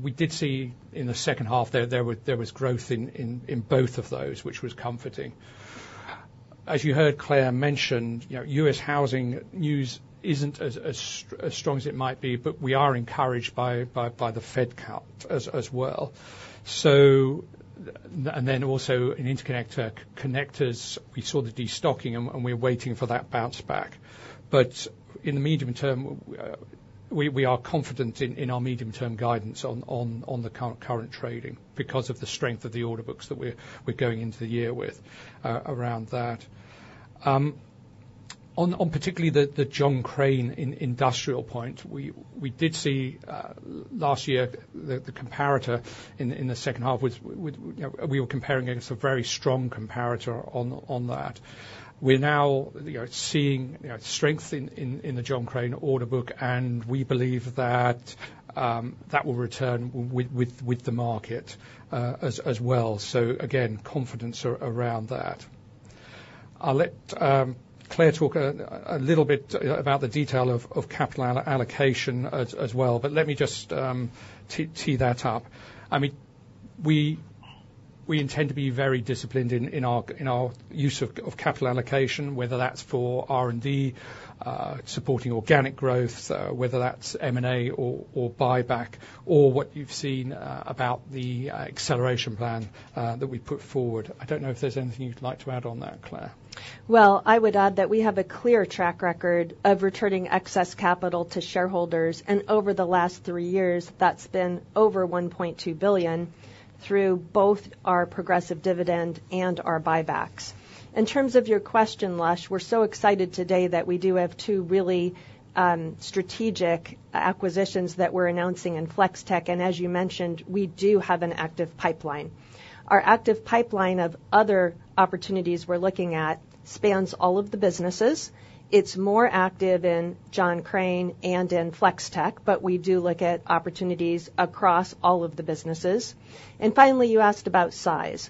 S1: we did see in the second half there was growth in both of those, which was comforting. As you heard Clare mention, you know, U.S. housing news isn't as strong as it might be, but we are encouraged by the Fed cut as well. So then also in Interconnect, connectors, we saw the destocking, and we're waiting for that bounce back. But in the medium term, we are confident in our medium-term guidance on the current trading because of the strength of the order books that we're going into the year with, around that. On particularly the John Crane in industrial point, we did see last year the comparator in the second half with, you know, we were comparing against a very strong comparator on that. We're now, you know, seeing, you know, strength in the John Crane order book, and we believe that that will return with the market as well. So again, confidence around that. I'll let Clare talk a little bit about the detail of capital allocation as well, but let me just tee that up. I mean, we intend to be very disciplined in our use of capital allocation, whether that's for R&D, supporting organic growth, whether that's M&A or buyback, or what you've seen about the acceleration plan that we've put forward. I don't know if there's anything you'd like to add on that, Clare.
S2: I would add that we have a clear track record of returning excess capital to shareholders, and over the last three years, that's been over 1.2 billion through both our progressive dividend and our buybacks. In terms of your question, Lush, we're so excited today that we do have two really strategic acquisitions that we're announcing in Flex-Tek, and as you mentioned, we do have an active pipeline. Our active pipeline of other opportunities we're looking at spans all of the businesses. It's more active in John Crane and in Flex-Tek, but we do look at opportunities across all of the businesses. Finally, you asked about size.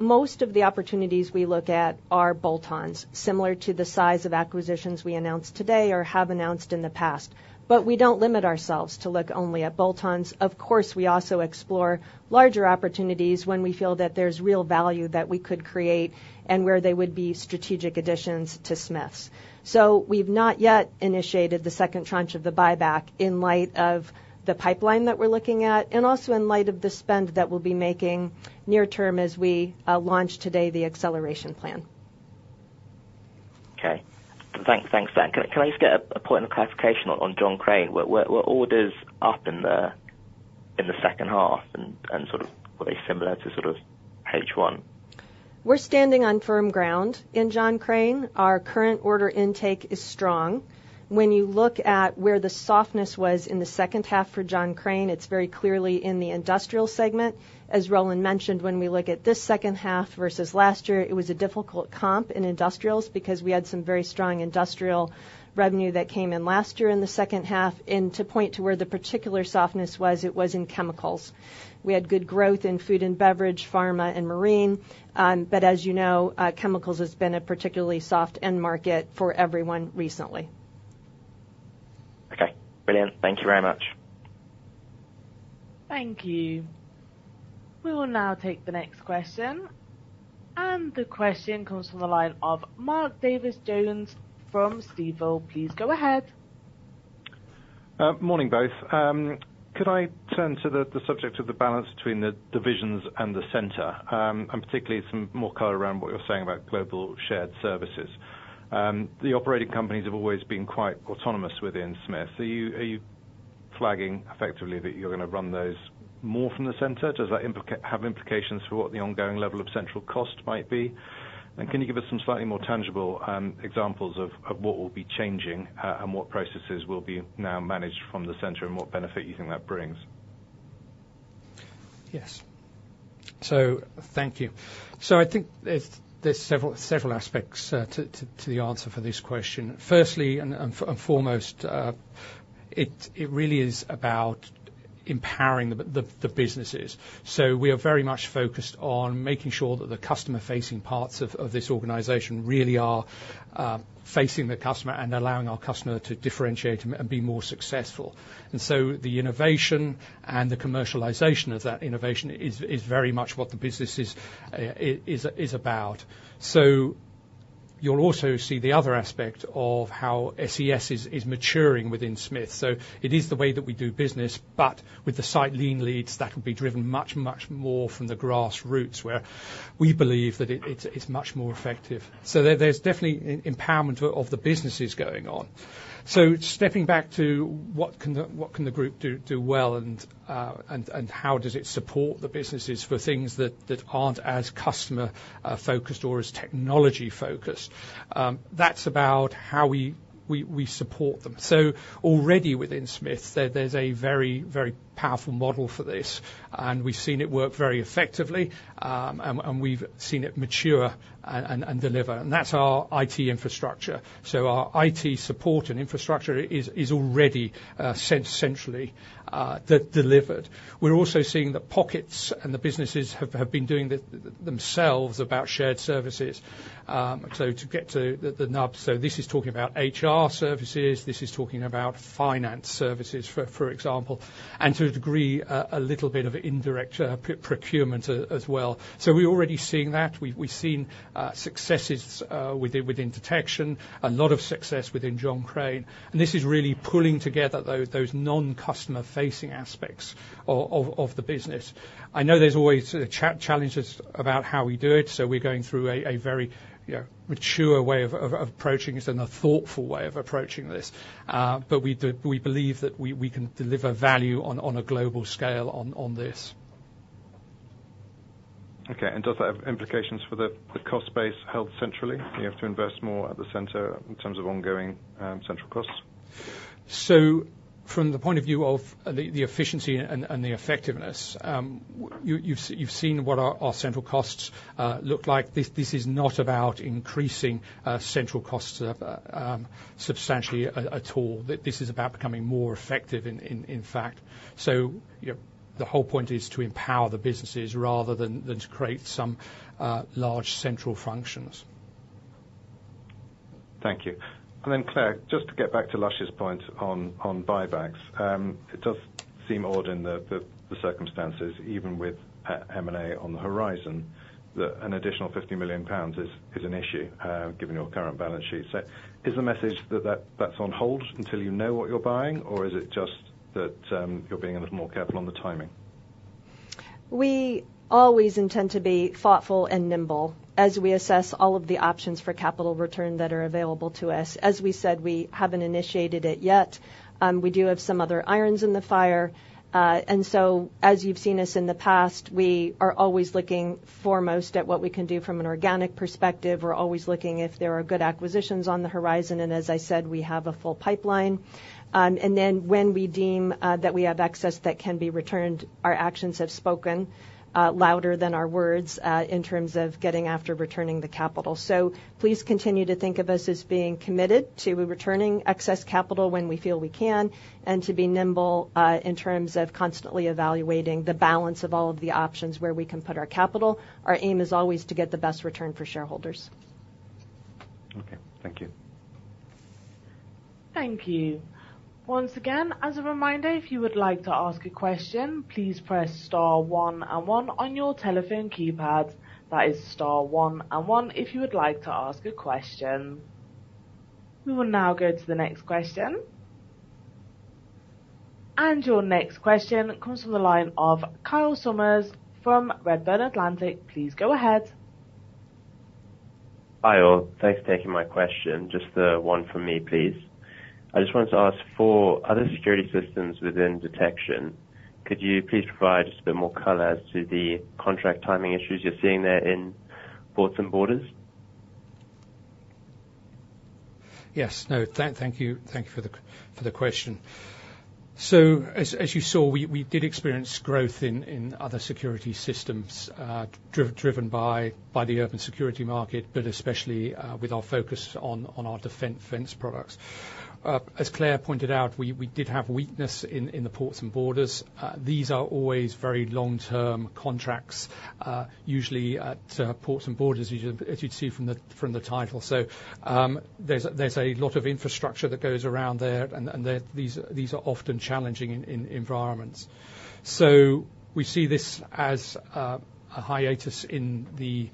S2: Most of the opportunities we look at are bolt-ons, similar to the size of acquisitions we announced today or have announced in the past. We don't limit ourselves to look only at bolt-ons. Of course, we also explore larger opportunities when we feel that there's real value that we could create and where they would be strategic additions to Smiths. So we've not yet initiated the second tranche of the buyback in light of the pipeline that we're looking at, and also in light of the spend that we'll be making near term as we launch today, the acceleration plan....
S4: Okay. Thanks, Dan. Can I just get a point of clarification on John Crane? Were orders up in the second half, and sort of were they similar to sort of H1?
S2: We're standing on firm ground in John Crane. Our current order intake is strong. When you look at where the softness was in the second half for John Crane, it's very clearly in the industrial segment. As Roland mentioned, when we look at this second half versus last year, it was a difficult comp in industrials because we had some very strong industrial revenue that came in last year in the second half. And to point to where the particular softness was, it was in chemicals. We had good growth in food and beverage, pharma, and marine. But as you know, chemicals has been a particularly soft end market for everyone recently.
S4: Okay, brilliant. Thank you very much.
S3: Thank you. We will now take the next question, and the question comes from the line of Mark Davies Jones from Stifel. Please go ahead.
S5: Morning, both. Could I turn to the subject of the balance between the divisions and the center? And particularly some more color around what you're saying about global shared services. The operating companies have always been quite autonomous within Smiths. Are you flagging effectively that you're gonna run those more from the center? Does that have implications for what the ongoing level of central cost might be? And can you give us some slightly more tangible examples of what will be changing, and what processes will be now managed from the center, and what benefit you think that brings?
S1: Yes. So thank you. So I think there's several aspects to the answer for this question. Firstly, and foremost, it really is about empowering the businesses. So we are very much focused on making sure that the customer-facing parts of this organization really are facing the customer and allowing our customer to differentiate and be more successful. And so the innovation and the commercialization of that innovation is very much what the business is about. So you'll also see the other aspect of how SES is maturing within Smiths. So it is the way that we do business, but with the site Lean leads, that can be driven much more from the grassroots, where we believe that it's much more effective. There's definitely an empowerment of the businesses going on. Stepping back to what the group can do well, and how it supports the businesses for things that aren't as customer focused or as technology focused? That's about how we support them. So already within Smiths, there's a very powerful model for this, and we've seen it work very effectively. And we've seen it mature and deliver, and that's our IT infrastructure. So our IT support and infrastructure is already sourced centrally delivered. We're also seeing the progress, and the businesses have been doing this themselves about shared services. To get to the nub, this is talking about HR services. This is talking about finance services, for example, and to a degree, a little bit of indirect procurement as well. So we're already seeing that. We've seen successes within detection, a lot of success within John Crane, and this is really pulling together those non-customer facing aspects of the business. I know there's always challenges about how we do it, so we're going through a very, you know, mature way of approaching this and a thoughtful way of approaching this. But we believe that we can deliver value on a global scale, on this.
S5: Okay, and does that have implications for the cost base held centrally? You have to invest more at the center in terms of ongoing, central costs.
S1: So from the point of view of the efficiency and the effectiveness, you've seen what our central costs look like. This is not about increasing central costs substantially at all. This is about becoming more effective, in fact. So, you know, the whole point is to empower the businesses rather than to create some large central functions.
S5: Thank you. And then, Clare, just to get back to Lush's point on buybacks. It does seem odd in the circumstances, even with M&A on the horizon, that an additional 50 million pounds is an issue, given your current balance sheet. So is the message that that's on hold until you know what you're buying, or is it just that you're being a little more careful on the timing?
S2: We always intend to be thoughtful and nimble as we assess all of the options for capital return that are available to us. As we said, we haven't initiated it yet. We do have some other irons in the fire, and so, as you've seen us in the past, we are always looking foremost at what we can do from an organic perspective. We're always looking if there are good acquisitions on the horizon, and as I said, we have a full pipeline. And then when we deem that we have excess that can be returned, our actions have spoken louder than our words in terms of getting after returning the capital. So please continue to think of us as being committed to returning excess capital when we feel we can, and to be nimble, in terms of constantly evaluating the balance of all of the options where we can put our capital. Our aim is always to get the best return for shareholders.
S5: Okay. Thank you.
S3: Thank you. Once again, as a reminder, if you would like to ask a question, please press star one and one on your telephone keypad. That is star one and one if you would like to ask a question. We will now go to the next question. And your next question comes from the line of Kyle Summers from Redburn Atlantic. Please go ahead.
S6: Hi, all. Thanks for taking my question. Just, one from me, please. I just wanted to ask for other security systems within detection, could you please provide just a bit more color as to the contract timing issues you're seeing there in ports and borders?
S1: Yes. No, thank you. Thank you for the question, so as you saw, we did experience growth in other security systems, driven by the urban security market, but especially with our focus on our defense products. As Clare pointed out, we did have weakness in the ports and borders. These are always very long-term contracts, usually at ports and borders, as you'd see from the title, so there's a lot of infrastructure that goes around there, and these are often challenging in environments, so we see this as a hiatus in the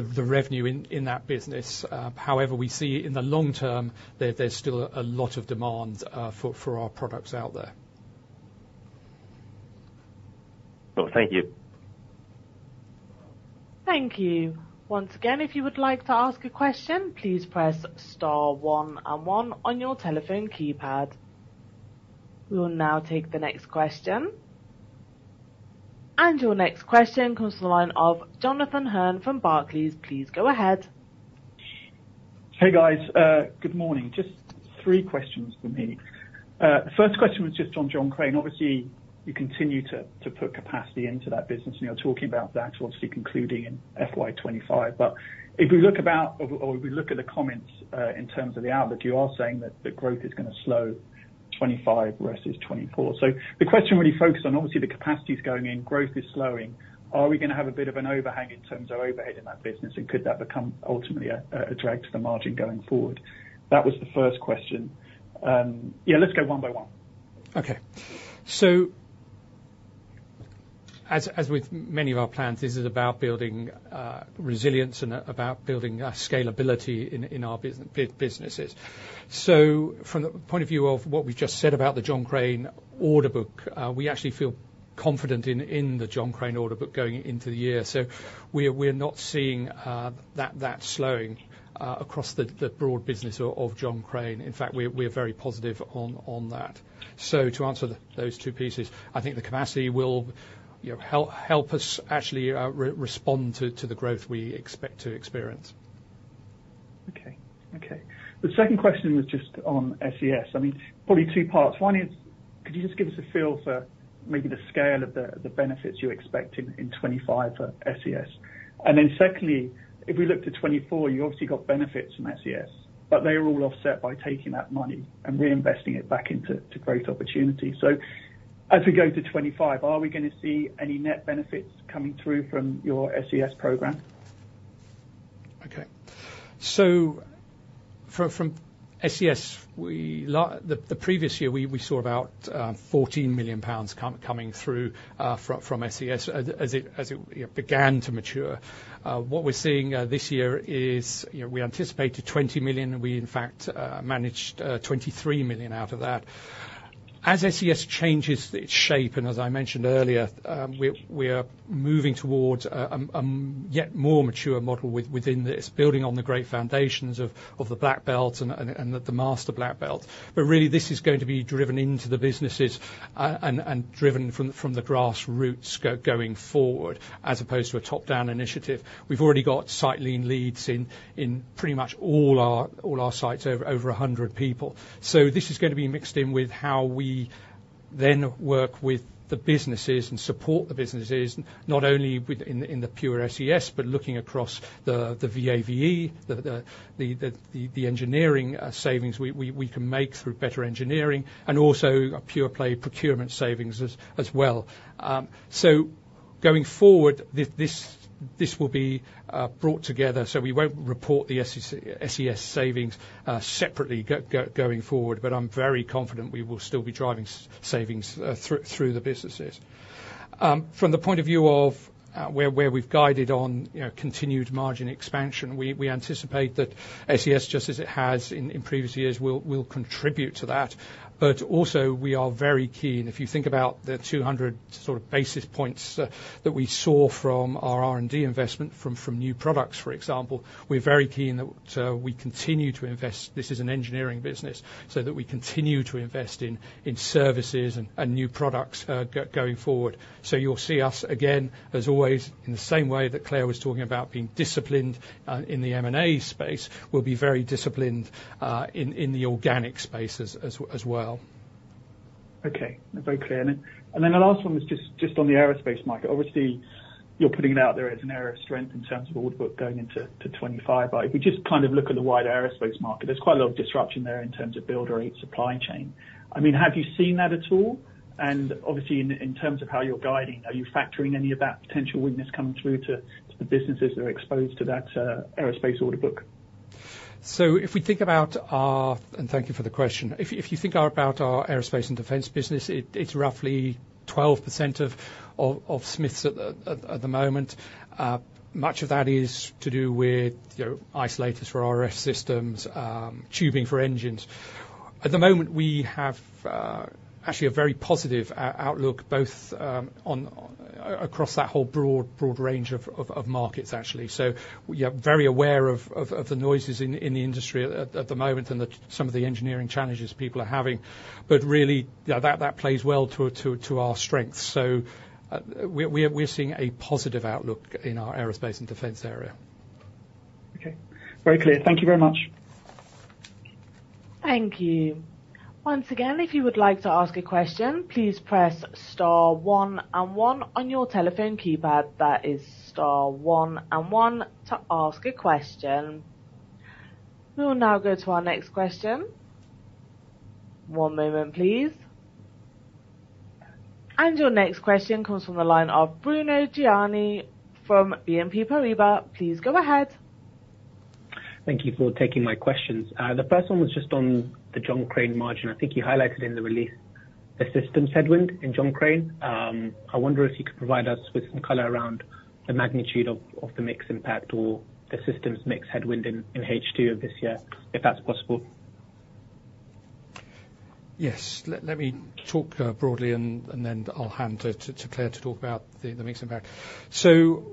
S1: revenue in that business. However, we see in the long term that there's still a lot of demand for our products out there.
S6: Well, thank you.
S3: Thank you. Once again, if you would like to ask a question, please press star one and one on your telephone keypad. We will now take the next question. And your next question comes from the line of Jonathan Hearn from Barclays. Please go ahead.
S7: Hey, guys, good morning. Just three questions from me. First question was just on John Crane. Obviously, you continue to put capacity into that business, and you're talking about that obviously concluding in FY 2025. But if we look about or if we look at the comments in terms of the outlook, you are saying that the growth is gonna slow 2025 versus 2024. So the question really focused on, obviously, the capacity is going in, growth is slowing, are we gonna have a bit of an overhang in terms of overhead in that business, and could that become ultimately a drag to the margin going forward? That was the first question. Yeah, let's go one by one.
S1: Okay. So as, as with many of our plans, this is about building resilience and about building scalability in, in our businesses. So from the point of view of what we've just said about the John Crane order book, we actually feel confident in, in the John Crane order book going into the year. So we're not seeing that slowing across the broad business of John Crane. In fact, we're very positive on that. So to answer those two pieces, I think the capacity will, you know, help us actually respond to the growth we expect to experience.
S7: Okay. Okay. The second question was just on SES. I mean, probably two parts. One is, could you just give us a feel for maybe the scale of the benefits you're expecting in 2025 for SES? And then secondly, if we look to 2024, you obviously got benefits from SES, but they were all offset by taking that money and reinvesting it back into, to create opportunity. So as we go to 2025, are we gonna see any net benefits coming through from your SES program?
S1: Okay. So from SES, the previous year, we saw about 14 million pounds coming through from SES as it began to mature. What we're seeing this year is, you know, we anticipated 20 million, and we, in fact, managed 23 million out of that. As SES changes its shape, and as I mentioned earlier, we're moving towards a yet more mature model within this, building on the great foundations of the Black Belt and the Master Black Belt. But really, this is going to be driven into the businesses and driven from the grassroots going forward, as opposed to a top-down initiative. We've already got site Lean leads in pretty much all our sites, over a hundred people. So this is gonna be mixed in with how we then work with the businesses and support the businesses, not only with the pure SES, but looking across the VA/VE, the engineering savings we can make through better engineering, and also a pure play procurement savings as well. So going forward, this will be brought together, so we won't report the SES savings separately going forward, but I'm very confident we will still be driving savings through the businesses. From the point of view of where we've guided on, you know, continued margin expansion, we anticipate that SES, just as it has in previous years, will contribute to that. But also, we are very keen. If you think about the two hundred sort of basis points that we saw from our R&D investment, from new products, for example, we're very keen that we continue to invest. This is an engineering business, so that we continue to invest in services and new products going forward. So you'll see us again, as always, in the same way that Clare was talking about being disciplined in the M&A space, we'll be very disciplined in the organic space as well.
S7: Okay, very clear. And then the last one was just on the aerospace market. Obviously, you're putting it out there as an area of strength in terms of order book going into 2025. But if you just kind of look at the wider aerospace market, there's quite a lot of disruption there in terms of build or supply chain. I mean, have you seen that at all? And obviously in terms of how you're guiding, are you factoring any of that potential weakness coming through to the businesses that are exposed to that aerospace order book?
S1: Thank you for the question. If you think about our aerospace and defense business, it's roughly 12% of Smiths at the moment. Much of that is to do with, you know, isolators for RF systems, tubing for engines. At the moment, we have actually a very positive outlook, both on across that whole broad range of markets, actually. So we are very aware of the noises in the industry at the moment and some of the engineering challenges people are having, but really, yeah, that plays well to our strengths. So we are seeing a positive outlook in our aerospace and defense area.
S7: Okay, very clear. Thank you very much.
S3: Thank you. Once again, if you would like to ask a question, please press star one and one on your telephone keypad. That is star one and one to ask a question. We will now go to our next question. One moment, please. And your next question comes from the line of Bruno Gygax from BNP Paribas. Please go ahead.
S8: Thank you for taking my questions. The first one was just on the John Crane margin. I think you highlighted in the release, the systems headwind in John Crane. I wonder if you could provide us with some color around the magnitude of the mix impact or the systems mix headwind in H2 of this year, if that's possible?
S1: Yes. Let me talk broadly, and then I'll hand to Clare to talk about the mix impact. So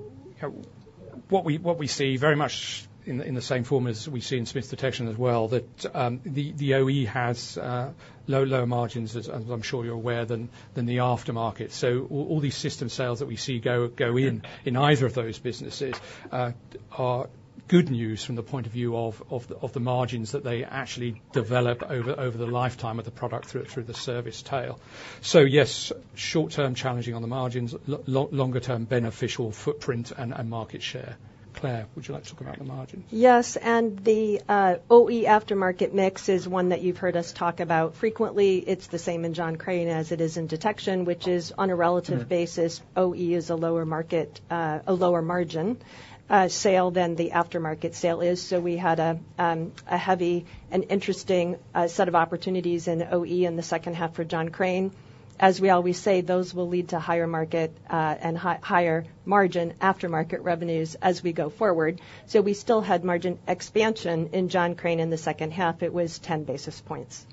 S1: what we see very much in the same form as we see in Smiths Detection as well, that the OE has low margins, as I'm sure you're aware, than the aftermarket. So all these system sales that we see go in either of those businesses are good news from the point of view of the margins that they actually develop over the lifetime of the product through the service tail. So yes, short-term challenging on the margins, long-term beneficial footprint and market share. Clare, would you like to talk about the margins?
S2: Yes, and the, OE aftermarket mix is one that you've heard us talk about frequently. It's the same in John Crane as it is in detection, which is on a relative basis-
S1: Mm.
S2: OE is a lower market, a lower margin, sale than the aftermarket sale is. So we had a, a heavy and interesting, set of opportunities in OE in the second half for John Crane. As we always say, those will lead to higher market, and higher margin aftermarket revenues as we go forward. So we still had margin expansion in John Crane in the second half. It was 10 basis points.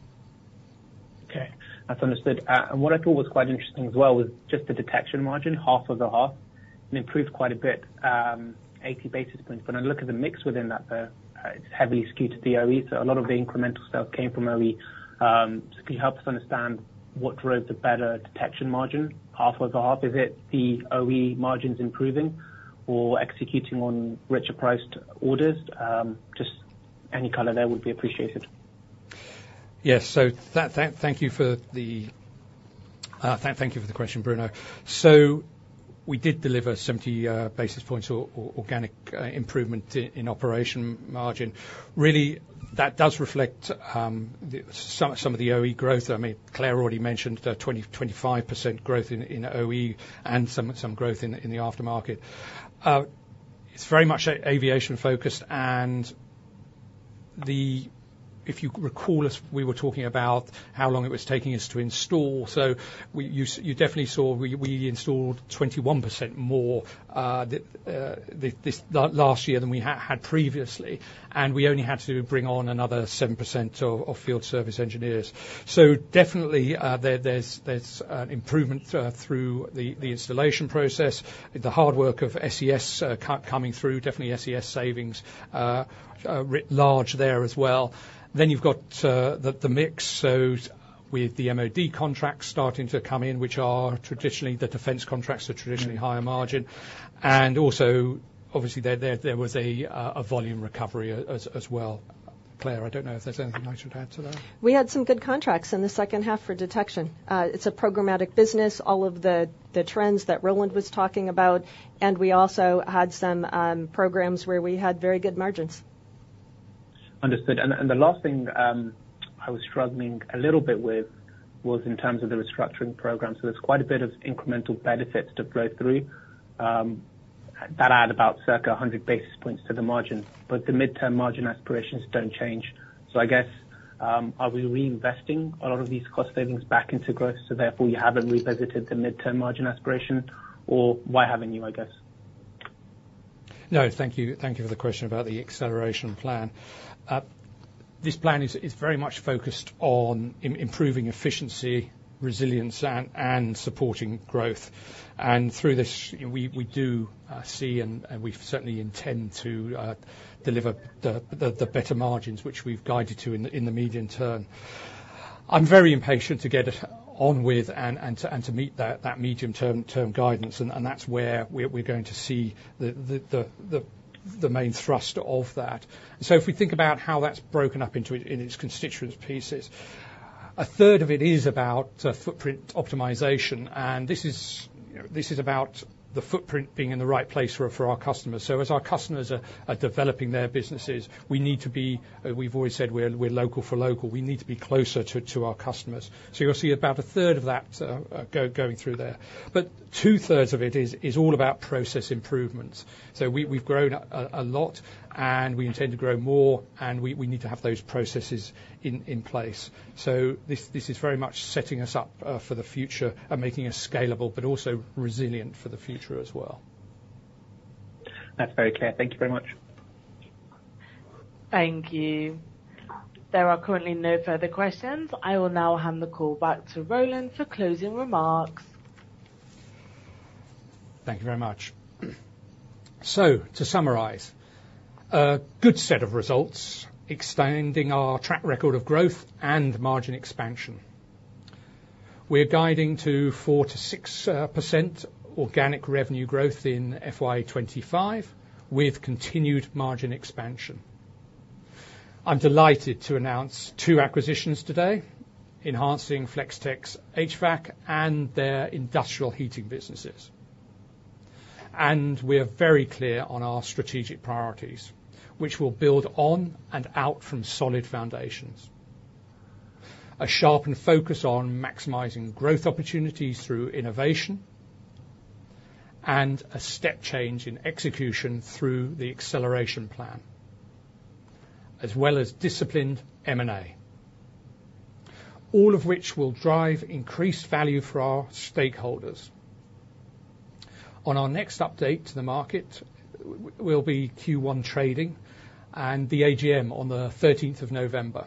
S8: Okay, that's understood. And what I thought was quite interesting as well, was just the detection margin, half over half, it improved quite a bit, 80 basis points. But I look at the mix within that, though, it's heavily skewed to the OE, so a lot of the incremental stuff came from OE. Can you help us understand what drove the better detection margin? Half over half, is it the OE margins improving or executing on richer priced orders? Just any color there would be appreciated.
S1: Yes. So thank you for the question, Bruno. So we did deliver 70 basis points of organic improvement in operating margin. Really, that does reflect some of the OE growth. I mean, Clare already mentioned 25% growth in OE and some growth in the aftermarket. It's very much aviation-focused, and the. If you recall, as we were talking about how long it was taking us to install. So you definitely saw we installed 21% more this last year than we had had previously, and we only had to bring on another 7% of field service engineers. So definitely, there’s an improvement through the installation process, the hard work of SES coming through, definitely SES savings writ large there as well. Then you’ve got the mix, so with the MOD contracts starting to come in, which are traditionally the defense contracts, are traditionally higher margin. And also, obviously, there was a volume recovery as well. Clare, I don’t know if there’s anything I should add to that.
S2: We had some good contracts in the second half for detection. It's a programmatic business, all of the trends that Roland was talking about, and we also had some programs where we had very good margins.
S8: Understood. And the last thing I was struggling a little bit with was in terms of the restructuring program. So there's quite a bit of incremental benefits to flow through. That add about circa a hundred basis points to the margin, but the midterm margin aspirations don't change. So I guess are we reinvesting a lot of these cost savings back into growth, so therefore, you haven't revisited the midterm margin aspiration? Or why haven't you, I guess?
S1: No, thank you. Thank you for the question about the acceleration plan. This plan is very much focused on improving efficiency, resilience, and supporting growth. And through this, we do see, and we certainly intend to deliver the better margins, which we've guided to in the medium term. I'm very impatient to get it on with and to meet that medium term guidance, and that's where we're going to see the main thrust of that. So if we think about how that's broken up into its constituent pieces, a third of it is about footprint optimization, and this is, you know, about the footprint being in the right place for our customers. So as our customers are developing their businesses, we need to be... We've always said we're local for local. We need to be closer to our customers. So you'll see about a third of that going through there. But two-thirds of it is all about process improvements. So we've grown a lot, and we intend to grow more, and we need to have those processes in place. So this is very much setting us up for the future and making us scalable, but also resilient for the future as well.
S8: That's very clear. Thank you very much.
S3: Thank you. There are currently no further questions. I will now hand the call back to Roland for closing remarks.
S1: Thank you very much. So to summarize, a good set of results, extending our track record of growth and margin expansion. We're guiding to four-to-six% organic revenue growth in FY 2025, with continued margin expansion. I'm delighted to announce two acquisitions today, enhancing Flex-Tek's HVAC and their industrial heating businesses. And we are very clear on our strategic priorities, which will build on and out from solid foundations. A sharpened focus on maximizing growth opportunities through innovation and a step change in execution through the acceleration plan, as well as disciplined M&A, all of which will drive increased value for our stakeholders. On our next update to the market will be Q1 trading and the AGM on the thirteenth of November.